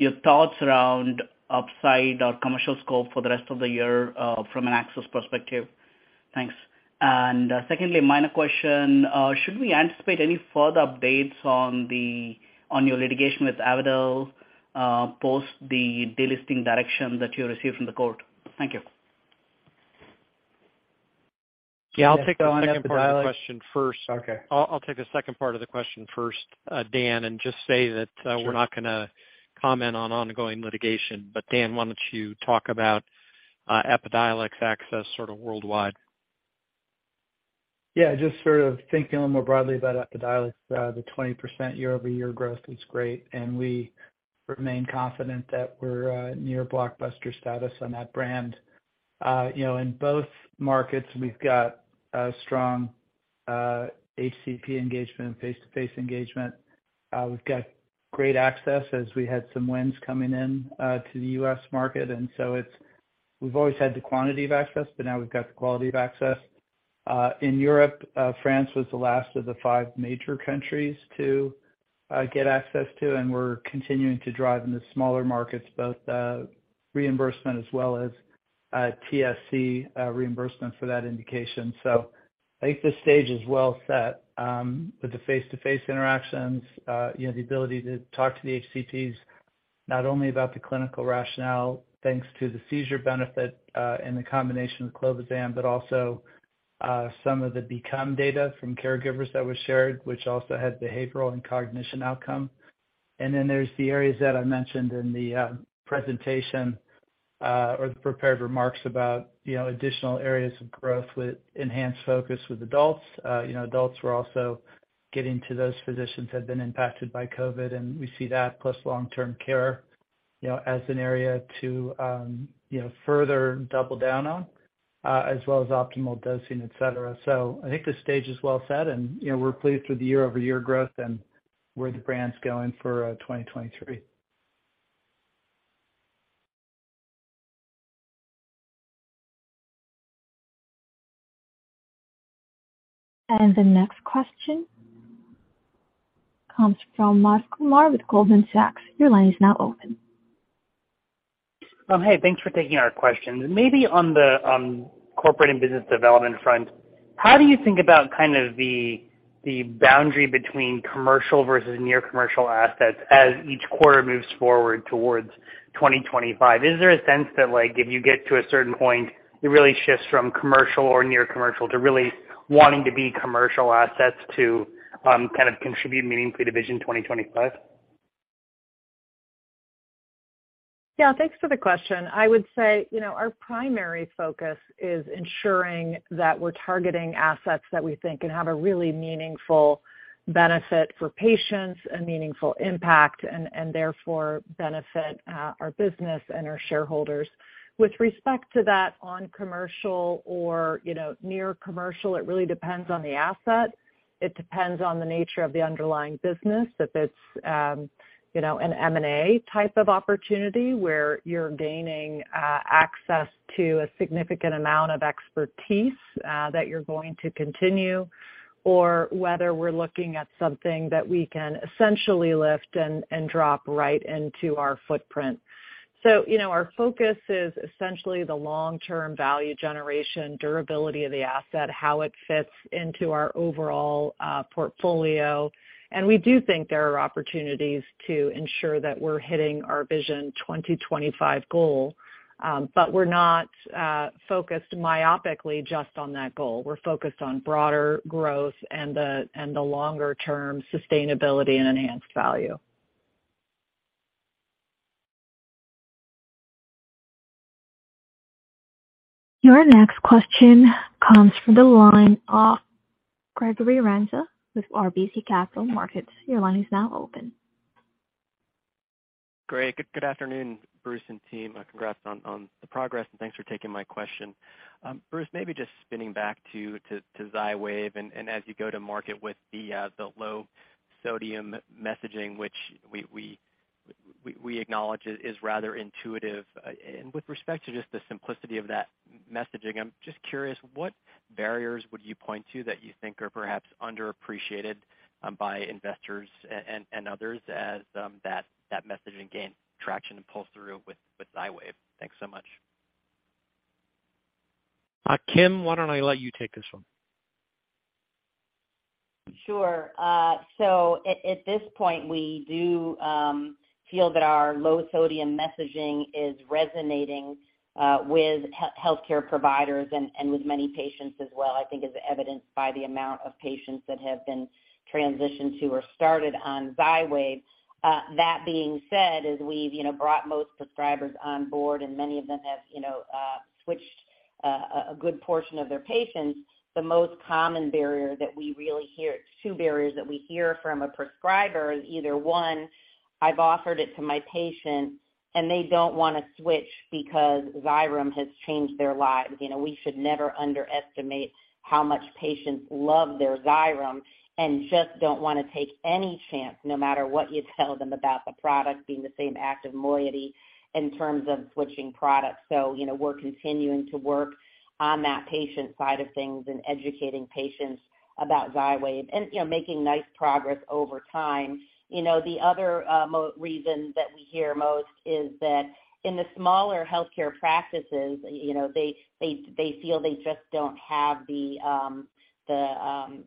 Your thoughts around upside or commercial scope for the rest of the year, from an access perspective? Thanks. Secondly, minor question, should we anticipate any further updates on your litigation with Avadel, post the delisting direction that you received from the court? Thank you. Yeah, I'll take the second part of the question first. Okay. I'll take the second part of the question first, Dan, and just say that we're not gonna comment on ongoing litigation. Dan, why don't you talk about Epidiolex access sort of worldwide? Yeah, just sort of thinking a little more broadly about Epidiolex. The 20% year-over-year growth is great, and we remain confident that we're near blockbuster status on that brand. You know, in both markets, we've got strong HCP engagement and face-to-face engagement. We've got great access as we had some wins coming in to the U.S. market. And so it's we've always had the quantity of access, but now we've got the quality of access. In Europe, France was the last of the 5 major countries to get access to, and we're continuing to drive in the smaller markets both reimbursement as well as TSC reimbursement for that indication. I think this stage is well set, with the face-to-face interactions, you know, the ability to talk to the HCPs, not only about the clinical rationale, thanks to the seizure benefit, and the combination with clobazam. Also, some of the BECOME data from caregivers that was shared, which also had behavioral and cognition outcome. Then there's the areas that I mentioned in the presentation, or the prepared remarks about, you know, additional areas of growth with enhanced focus with adults. You know, adults were also getting to those physicians who had been impacted by COVID, and we see that plus long-term care, you know, as an area to, you know, further double down on, as well as optimal dosing, et cetera. I think the stage is well set, and, you know, we're pleased with the year-over-year growth and where the brand's going for, 2023. The next question comes from Madhu Kumar with Goldman Sachs. Your line is now open. Hey, thanks for taking our questions. Maybe on the corporate and business development front, how do you think about kind of the boundary between commercial versus near commercial assets as each quarter moves forward towards 2025? Is there a sense that, like, if you get to a certain point, it really shifts from commercial or near commercial to really wanting to be commercial assets to kind of contribute meaningfully to Vision 2025? Yeah. Thanks for the question. I would say, you know, our primary focus is ensuring that we're targeting assets that we think can have a really meaningful benefit for patients and meaningful impact and therefore benefit our business and our shareholders. With respect to that on commercial or, you know, near commercial, it really depends on the asset. It depends on the nature of the underlying business that it's, you know, an M&A type of opportunity where you're gaining access to a significant amount of expertise that you're going to continue, or whether we're looking at something that we can essentially lift and drop right into our footprint. You know, our focus is essentially the long-term value generation durability of the asset, how it fits into our overall portfolio. We do think there are opportunities to ensure that we're hitting our Vision 2025 goal. We're not focused myopically just on that goal. We're focused on broader growth and the, and the longer-term sustainability and enhanced value. Your next question comes from the line of Gregory Renza with RBC Capital Markets. Your line is now open. Great. Good afternoon, Bruce and team. Congrats on the progress and thanks for taking my question. Bruce, maybe just spinning back to Xywav and as you go to market with the low sodium messaging, which we acknowledge is rather intuitive. With respect to just the simplicity of that messaging, I'm just curious, what barriers would you point to that you think are perhaps underappreciated by investors and others as that messaging gains traction and pull through with Xywav? Thanks so much. Kim, why don't I let you take this one? Sure. At this point, we do feel that our low sodium messaging is resonating with healthcare providers and with many patients as well, I think is evidenced by the amount of patients that have been transitioned to or started on Xywav. That being said, as we've, you know, brought most prescribers on board and many of them have, you know, switched a good portion of their patients. The most common barrier that we really hear two barriers that we hear from a prescriber is either, one, I've offered it to my patient, and they don't wanna switch because Xyrem has changed their lives. You know, we should never underestimate how much patients love their Xyrem and just don't wanna take any chance, no matter what you tell them about the product being the same active moiety in terms of switching products. You know, we're continuing to work on that patient side of things and educating patients about XYWAV and, you know, making nice progress over time. You know, the other reason that we hear most is that in the smaller healthcare practices, you know, they feel they just don't have the,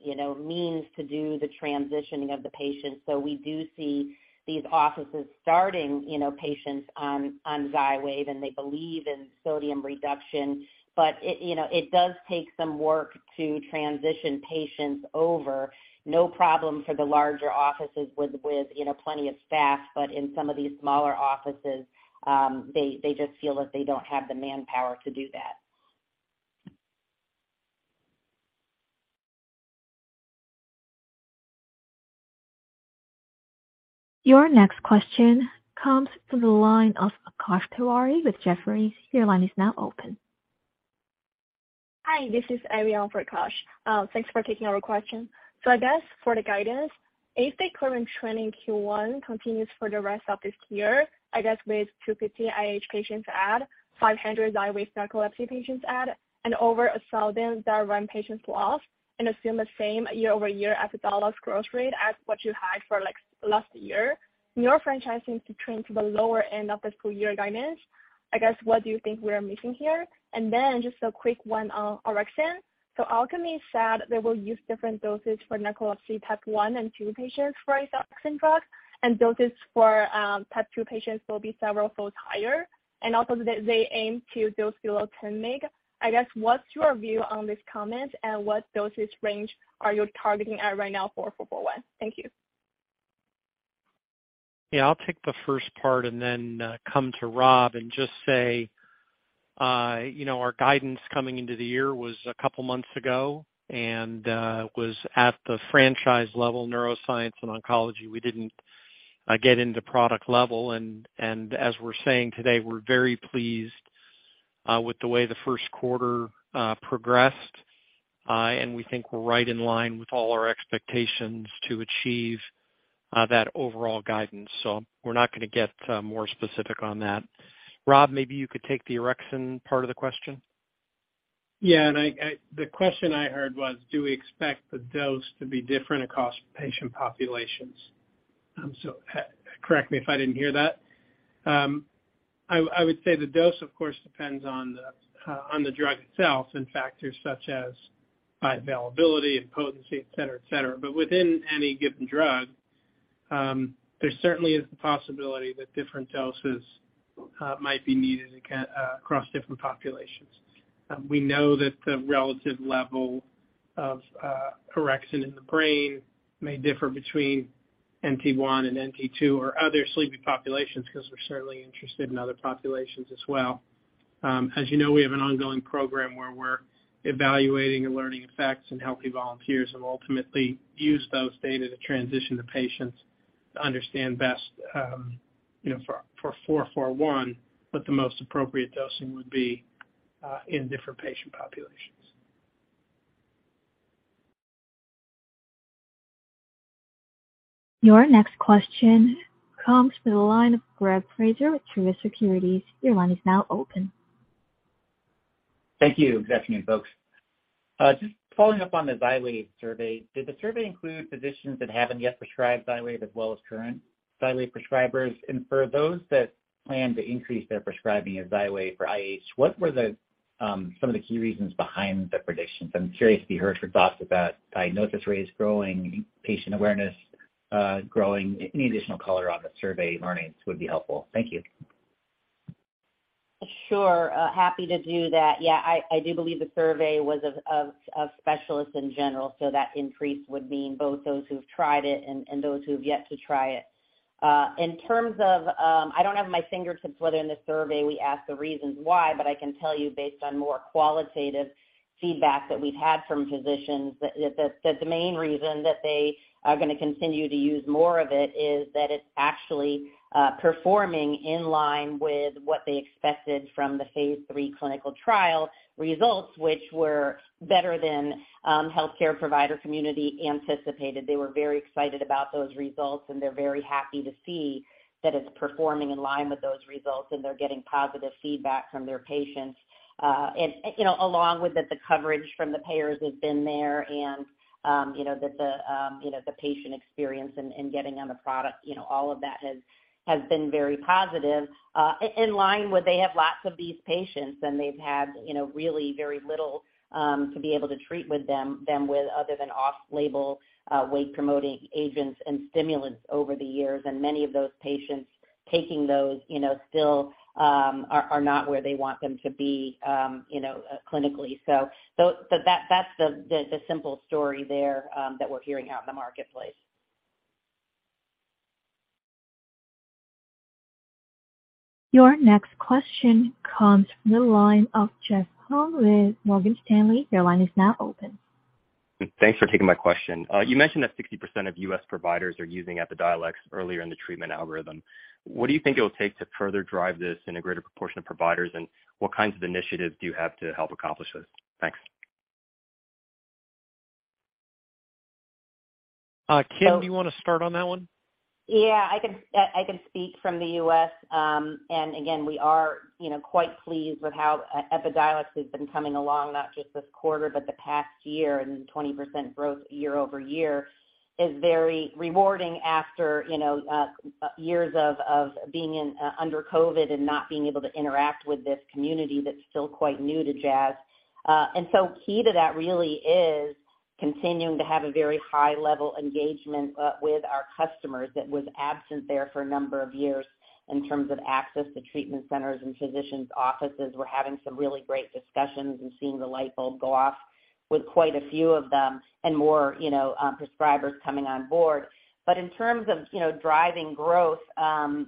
you know, means to do the transitioning of the patient. We do see these offices starting, you know, patients on XYWAV, and they believe in sodium reduction, but it, you know, it does take some work to transition patients over. No problem for the larger offices with, you know, plenty of staff, but in some of these smaller offices, they just feel that they don't have the manpower to do that. Your next question comes from the line of Akash Tewari with Jefferies. Your line is now open. Hi, this is Arielle for Akash. Thanks for taking our question. I guess for the guidance, if the current trend in Q1 continues for the rest of this year, I guess with 250 IH patients add, 500 Xywav narcolepsy patients add and over 1,000 Xyrem patients lost, and assume the same year-over-year Epidiolex growth rate as what you had for, like, last year, neurofranchise seems to trend to the lower end of the full year guidance. What do you think we are missing here? Just a quick one on orexin. Alkermes said they will use different doses for narcolepsy type 1 and 2 patients for their orexin drug, and doses for type 2 patients will be several folds higher. Also they aim to dose below 10 mg. I guess, what's your view on this comment, and what dosage range are you targeting at right now for JZP441? Thank you. Yeah. I'll take the first part and then, come to Rob and just say, you know, our guidance coming into the year was a couple months ago and, was at the franchise level, neuroscience and oncology. We didn't, get into product level. As we're saying today, we're very pleased, with the way the first quarter, progressed. We think we're right in line with all our expectations to achieve That overall guidance. We're not gonna get more specific on that. Rob, maybe you could take the orexin part of the question. Yeah. The question I heard was, do we expect the dose to be different across patient populations? So, correct me if I didn't hear that. I would say the dose, of course, depends on the drug itself and factors such as bioavailability and potency, et cetera, et cetera. Within any given drug, there certainly is the possibility that different doses might be needed across different populations. We know that the relative level of orexin in the brain may differ between NT1 and NT2 or other sleepy populations because we're certainly interested in other populations as well. As you know, we have an ongoing program where we're evaluating and learning effects in healthy volunteers and ultimately use those data to transition to patients to understand best, you know, for 441, what the most appropriate dosing would be in different patient populations. Your next question comes from the line of Greg Fraser with Truist Securities. Your line is now open. Thank you. Good afternoon, folks. Just following up on the Xywav survey, did the survey include physicians that haven't yet prescribed Xywav as well as current Xywav prescribers? For those that plan to increase their prescribing of Xywav for IH, what were the some of the key reasons behind the predictions? I'm curious to hear your thoughts about diagnosis rates growing, patient awareness, growing. Any additional color on the survey learnings would be helpful. Thank you. Sure. Happy to do that. Yeah, I do believe the survey was of specialists in general. That increase would mean both those who've tried it and those who've yet to try it. In terms of, I don't have my fingertips whether in the survey we asked the reasons why, but I can tell you based on more qualitative feedback that we've had from physicians that the main reason that they are gonna continue to use more of it is that it's actually performing in line with what they expected from the phase three clinical trial results, which were better than healthcare provider community anticipated. They were very excited about those results, and they're very happy to see that it's performing in line with those results, and they're getting positive feedback from their patients. You know, along with that, the coverage from the payers has been there and, you know, the, you know, the patient experience in getting on the product, you know, all of that has been very positive. In, in line with, they have lots of these patients, and they've had, you know, really very little to be able to treat them with other than off-label, wake-promoting agents and stimulants over the years. Many of those patients taking those, you know, still, are not where they want them to be, you know, clinically. That's the simple story there, that we're hearing out in the marketplace. Your next question comes from the line of Jeff Hung with Morgan Stanley. Your line is now open. Thanks for taking my question. You mentioned that 60% of U.S. providers are using Epidiolex earlier in the treatment algorithm. What do you think it will take to further drive this in a greater proportion of providers, and what kinds of initiatives do you have to help accomplish this? Thanks. Kim, do you wanna start on that one? Yeah. I can speak from the U.S., again, we are, you know, quite pleased with how Epidiolex has been coming along, not just this quarter, but the past year. 20% growth year-over-year is very rewarding after, you know, years of being in under COVID and not being able to interact with this community that's still quite new to Jazz. Key to that really is continuing to have a very high level engagement with our customers that was absent there for a number of years in terms of access to treatment centers and physicians' offices. We're having some really great discussions and seeing the light bulb go off with quite a few of them and more, you know, prescribers coming on board. In terms of, you know, driving growth,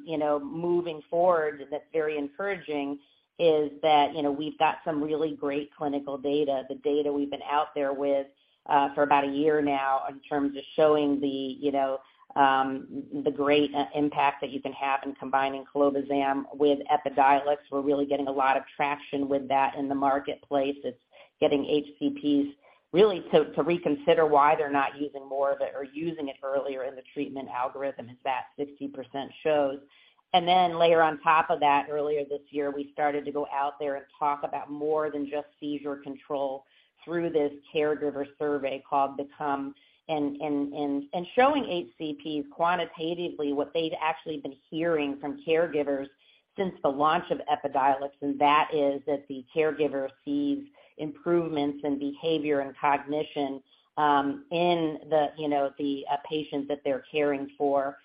you know, moving forward, that's very encouraging is that, you know, we've got some really great clinical data, the data we've been out there with for about a year now in terms of showing the, you know, the great impact that you can have in combining clobazam with Epidiolex. We're really getting a lot of traction with that in the marketplace. It's getting HCPs really to reconsider why they're not using more of it or using it earlier in the treatment algorithm, as that 60% shows. Then later on top of that, earlier this year, we started to go out there and talk about more than just seizure control through this caregiver survey called BECOME and showing HCPs quantitatively what they'd actually been hearing from caregivers since the launch of Epidiolex, and that is that the caregiver sees improvements in behavior and cognition, in the, you know, the patients that they're caring for.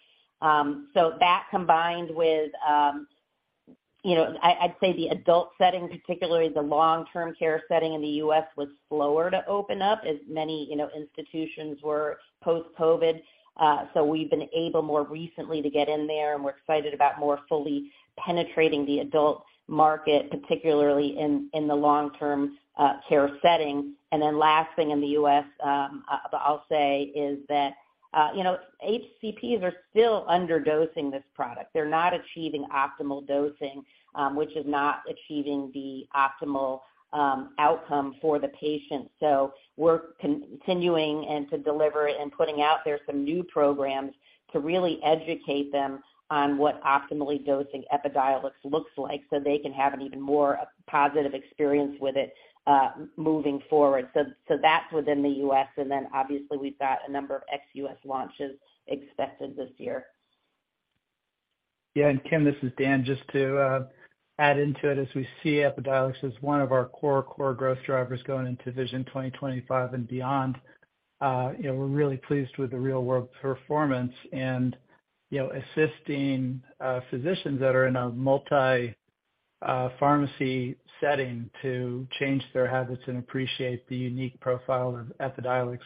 That combined with, you know, I'd say the adult setting, particularly the long-term care setting in the U.S., was slower to open up as many, you know, institutions were post-COVID. We've been able more recently to get in there, and we're excited about more fully penetrating the adult market, particularly in the long-term care setting. Last thing in the U.S., I'll say is that, you know, HCPs are still underdosing this product. They're not achieving optimal dosing, which is not achieving the optimal outcome for the patient. We're continuing and to deliver it and putting out there some new programs to really educate them on what optimally dosing Epidiolex looks like so they can have an even more positive experience with it, moving forward. That's within the U.S. Obviously we've got a number of ex-U.S. launches expected this year. Yeah. Kim, this is Dan. Just to add into it, as we see Epidiolex as one of our core growth drivers going into Vision 2025 and beyond, you know, we're really pleased with the real-world performance and, you know, assisting physicians that are in a multi pharmacy setting to change their habits and appreciate the unique profile of Epidiolex.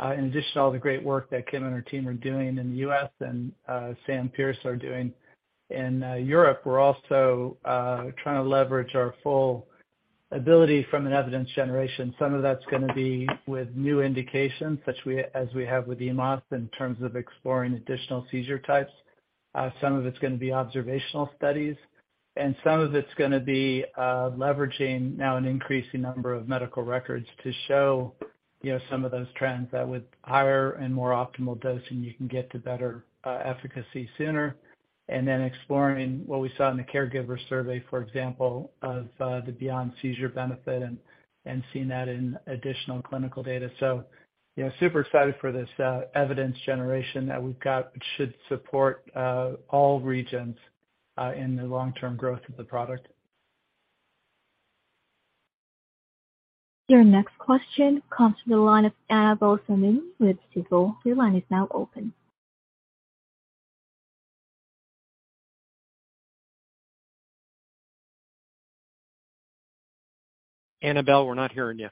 In addition to all the great work that Kim and her team are doing in the U.S. and Sam Pearce are doing in Europe, we're also trying to leverage our full ability from an evidence generation. Some of that's gonna be with new indications, as we have with the EMAS in terms of exploring additional seizure types. some of it's gonna be observational studies, and some of it's gonna be, leveraging now an increasing number of medical records to show, you know, some of those trends that with higher and more optimal dosing, you can get to better, efficacy sooner. Exploring what we saw in the caregiver survey, for example, of, the beyond seizure benefit and seeing that in additional clinical data. You know, super excited for this, evidence generation that we've got, which should support, all regions, in the long-term growth of the product. Your next question comes from the line of Annabel Samimy with Stifel. Your line is now open. Annabel, we're not hearing you.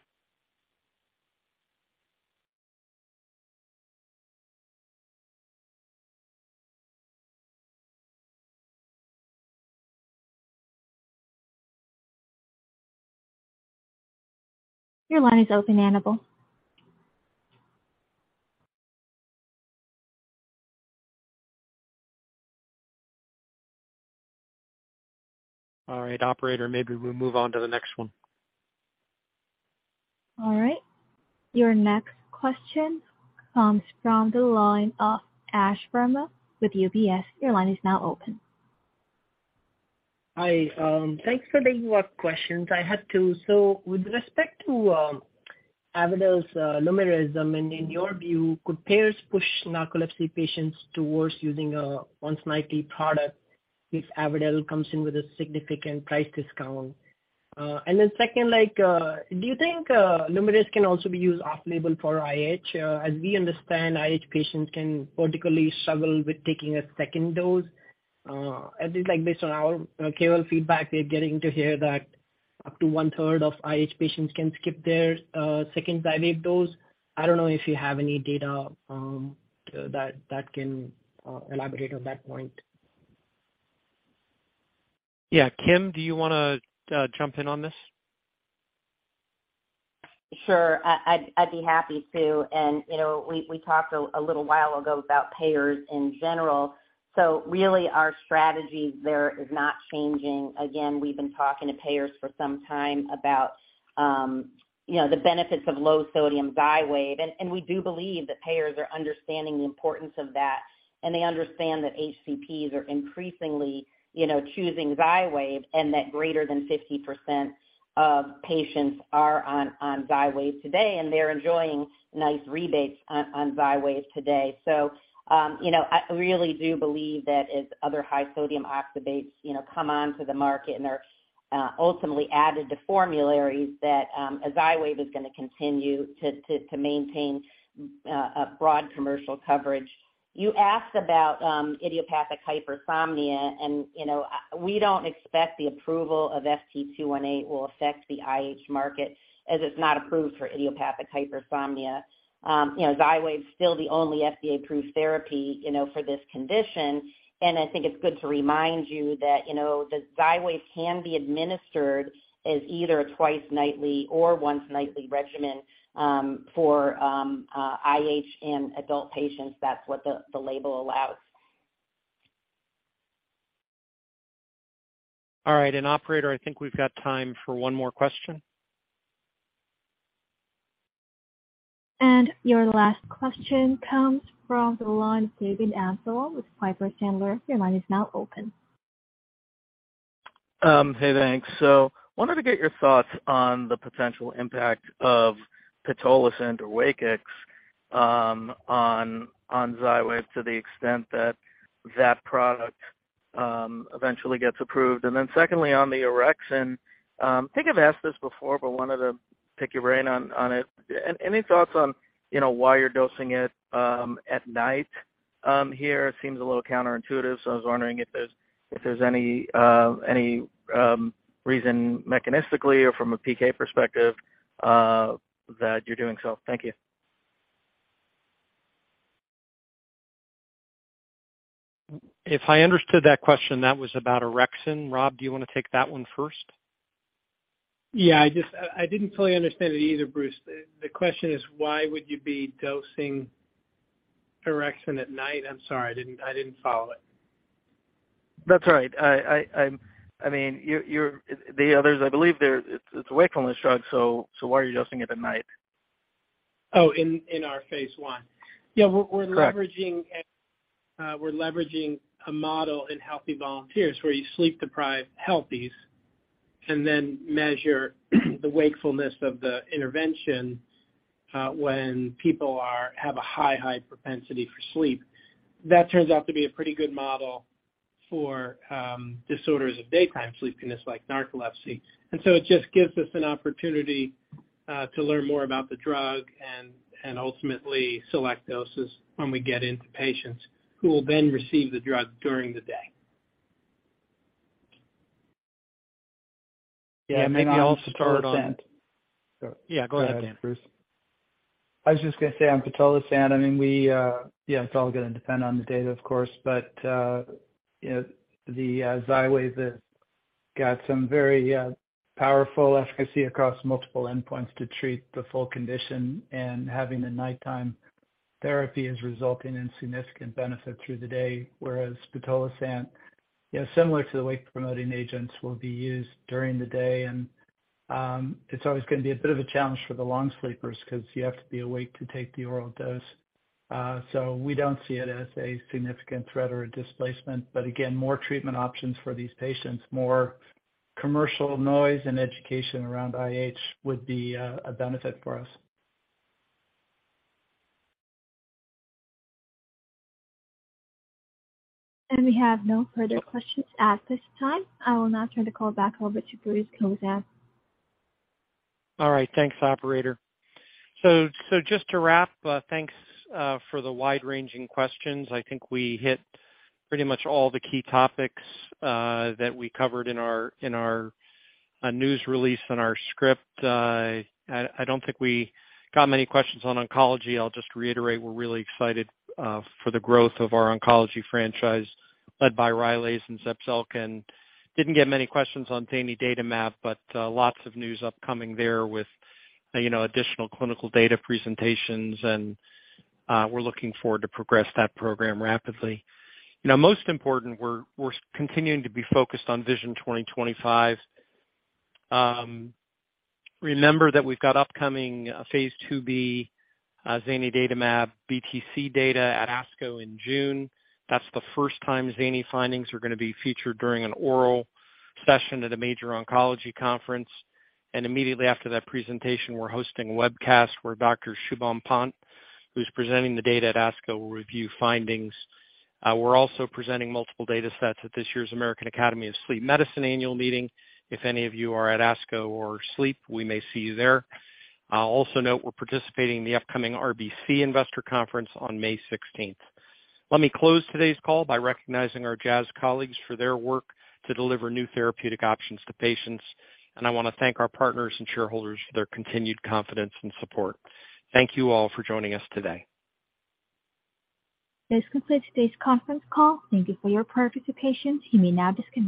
Your line is open, Annabel. All right, operator, maybe we'll move on to the next one. All right. Your next question comes from the line of Ashwani Verma with UBS. Your line is now open. Hi, thanks for taking my questions. I had two. With respect to Avadel's Lumryz, in your view, could payers push narcolepsy patients towards using a once nightly product if Avadel comes in with a significant price discount? Second, do you think Lumryz can also be used off-label for IH? As we understand, IH patients can particularly struggle with taking a second dose. At least based on our care level feedback, we're getting to hear that up to 1/3 of IH patients can skip their second XYWAV dose. I don't know if you have any data that can elaborate on that point. Yeah. Kim, do you wanna jump in on this? Sure. I'd be happy to. You know, we talked a little while ago about payers in general. Really our strategy there is not changing. Again, we've been talking to payers for some time about, you know, the benefits of low sodium Xywav. We do believe that payers are understanding the importance of that, and they understand that HCPs are increasingly, you know, choosing Xywav, and that greater than 50% of patients are on Xywav today, and they're enjoying nice rebates on Xywav today. I really do believe that as other high sodium oxybates, you know, come onto the market and are ultimately added to formularies that Xywav is gonna continue to maintain a broad commercial coverage. You asked about idiopathic hypersomnia, and, you know, we don't expect the approval of FT218 will affect the IH market as it's not approved for idiopathic hypersomnia. You know, Xywav is still the only FDA-approved therapy, you know, for this condition. I think it's good to remind you that, you know, the Xywav can be administered as either a twice nightly or once nightly regimen, for IH in adult patients. That's what the label allows. All right. Operator, I think we've got time for one more question. Your last question comes from the line of David Amsellem with Piper Sandler. Your line is now open. Hey, thanks. Wanted to get your thoughts on the potential impact of pitolisant or Wakix, on Xywav to the extent that that product, eventually gets approved. Secondly, on the orexin, I think I've asked this before, but wanted to pick your brain on it. Any thoughts on, you know, why you're dosing it, at night, here? It seems a little counterintuitive. I was wondering if there's, if there's any, reason mechanistically or from a PK perspective, that you're doing so. Thank you. If I understood that question, that was about orexin. Rob, do you wanna take that one first? Yeah. I didn't fully understand it either, Bruce. The question is why would you be dosing orexin at night? I'm sorry. I didn't follow it. That's all right. I mean, it's a wakefulness drug, why are you dosing it at night? Oh, in our phase I? Correct. Yeah. We're leveraging a model in healthy volunteers where you sleep deprive healthies. Then measure the wakefulness of the intervention, when people have a high propensity for sleep. That turns out to be a pretty good model for disorders of daytime sleepiness like narcolepsy. It just gives us an opportunity to learn more about the drug and ultimately select doses when we get into patients who will then receive the drug during the day. Yeah. Maybe I'll start. Yeah, go ahead, Dan. Go ahead, Bruce. I was just gonna say on pitolisant, I mean, we, yeah, it's all gonna depend on the data, of course. You know, the Xywav has got some very powerful efficacy across multiple endpoints to treat the full condition and having a nighttime therapy is resulting in significant benefit through the day, whereas pitolisant, you know, similar to the wake-promoting agents will be used during the day. It's always gonna be a bit of a challenge for the long sleepers 'cause you have to be awake to take the oral dose. We don't see it as a significant threat or a displacement, but again, more treatment options for these patients, more commercial noise and education around IH would be a benefit for us. We have no further questions at this time. I will now turn the call back over to Bruce Cozadd. All right. Thanks, operator. Just to wrap up, thanks for the wide-ranging questions. I think we hit pretty much all the key topics that we covered in our news release on our script. I don't think we got many questions on oncology. I'll just reiterate, we're really excited for the growth of our oncology franchise led by Rylaze and Zepzelca. Didn't get many questions on zanidatamab. Lots of news upcoming there with, you know, additional clinical data presentations. We're looking forward to progress that program rapidly. You know, most important, we're continuing to be focused on Vision 2025. Remember that we've got upcoming phase II-B zanidatamab, BTC data at ASCO in June. That's the first time zani findings are gonna be featured during an oral session at a major oncology conference. Immediately after that presentation, we're hosting a webcast where Dr. Shubham Pant, who's presenting the data at ASCO, will review findings. We're also presenting multiple datasets at this year's American Academy of Sleep Medicine annual meeting. If any of you are at ASCO or Sleep, we may see you there. I'll also note we're participating in the upcoming RBC Investor Conference on May 16th. Let me close today's call by recognizing our Jazz colleagues for their work to deliver new therapeutic options to patients. I wanna thank our partners and shareholders for their continued confidence and support. Thank you all for joining us today. This concludes today's conference call. Thank you for your participation. You may now disconnect.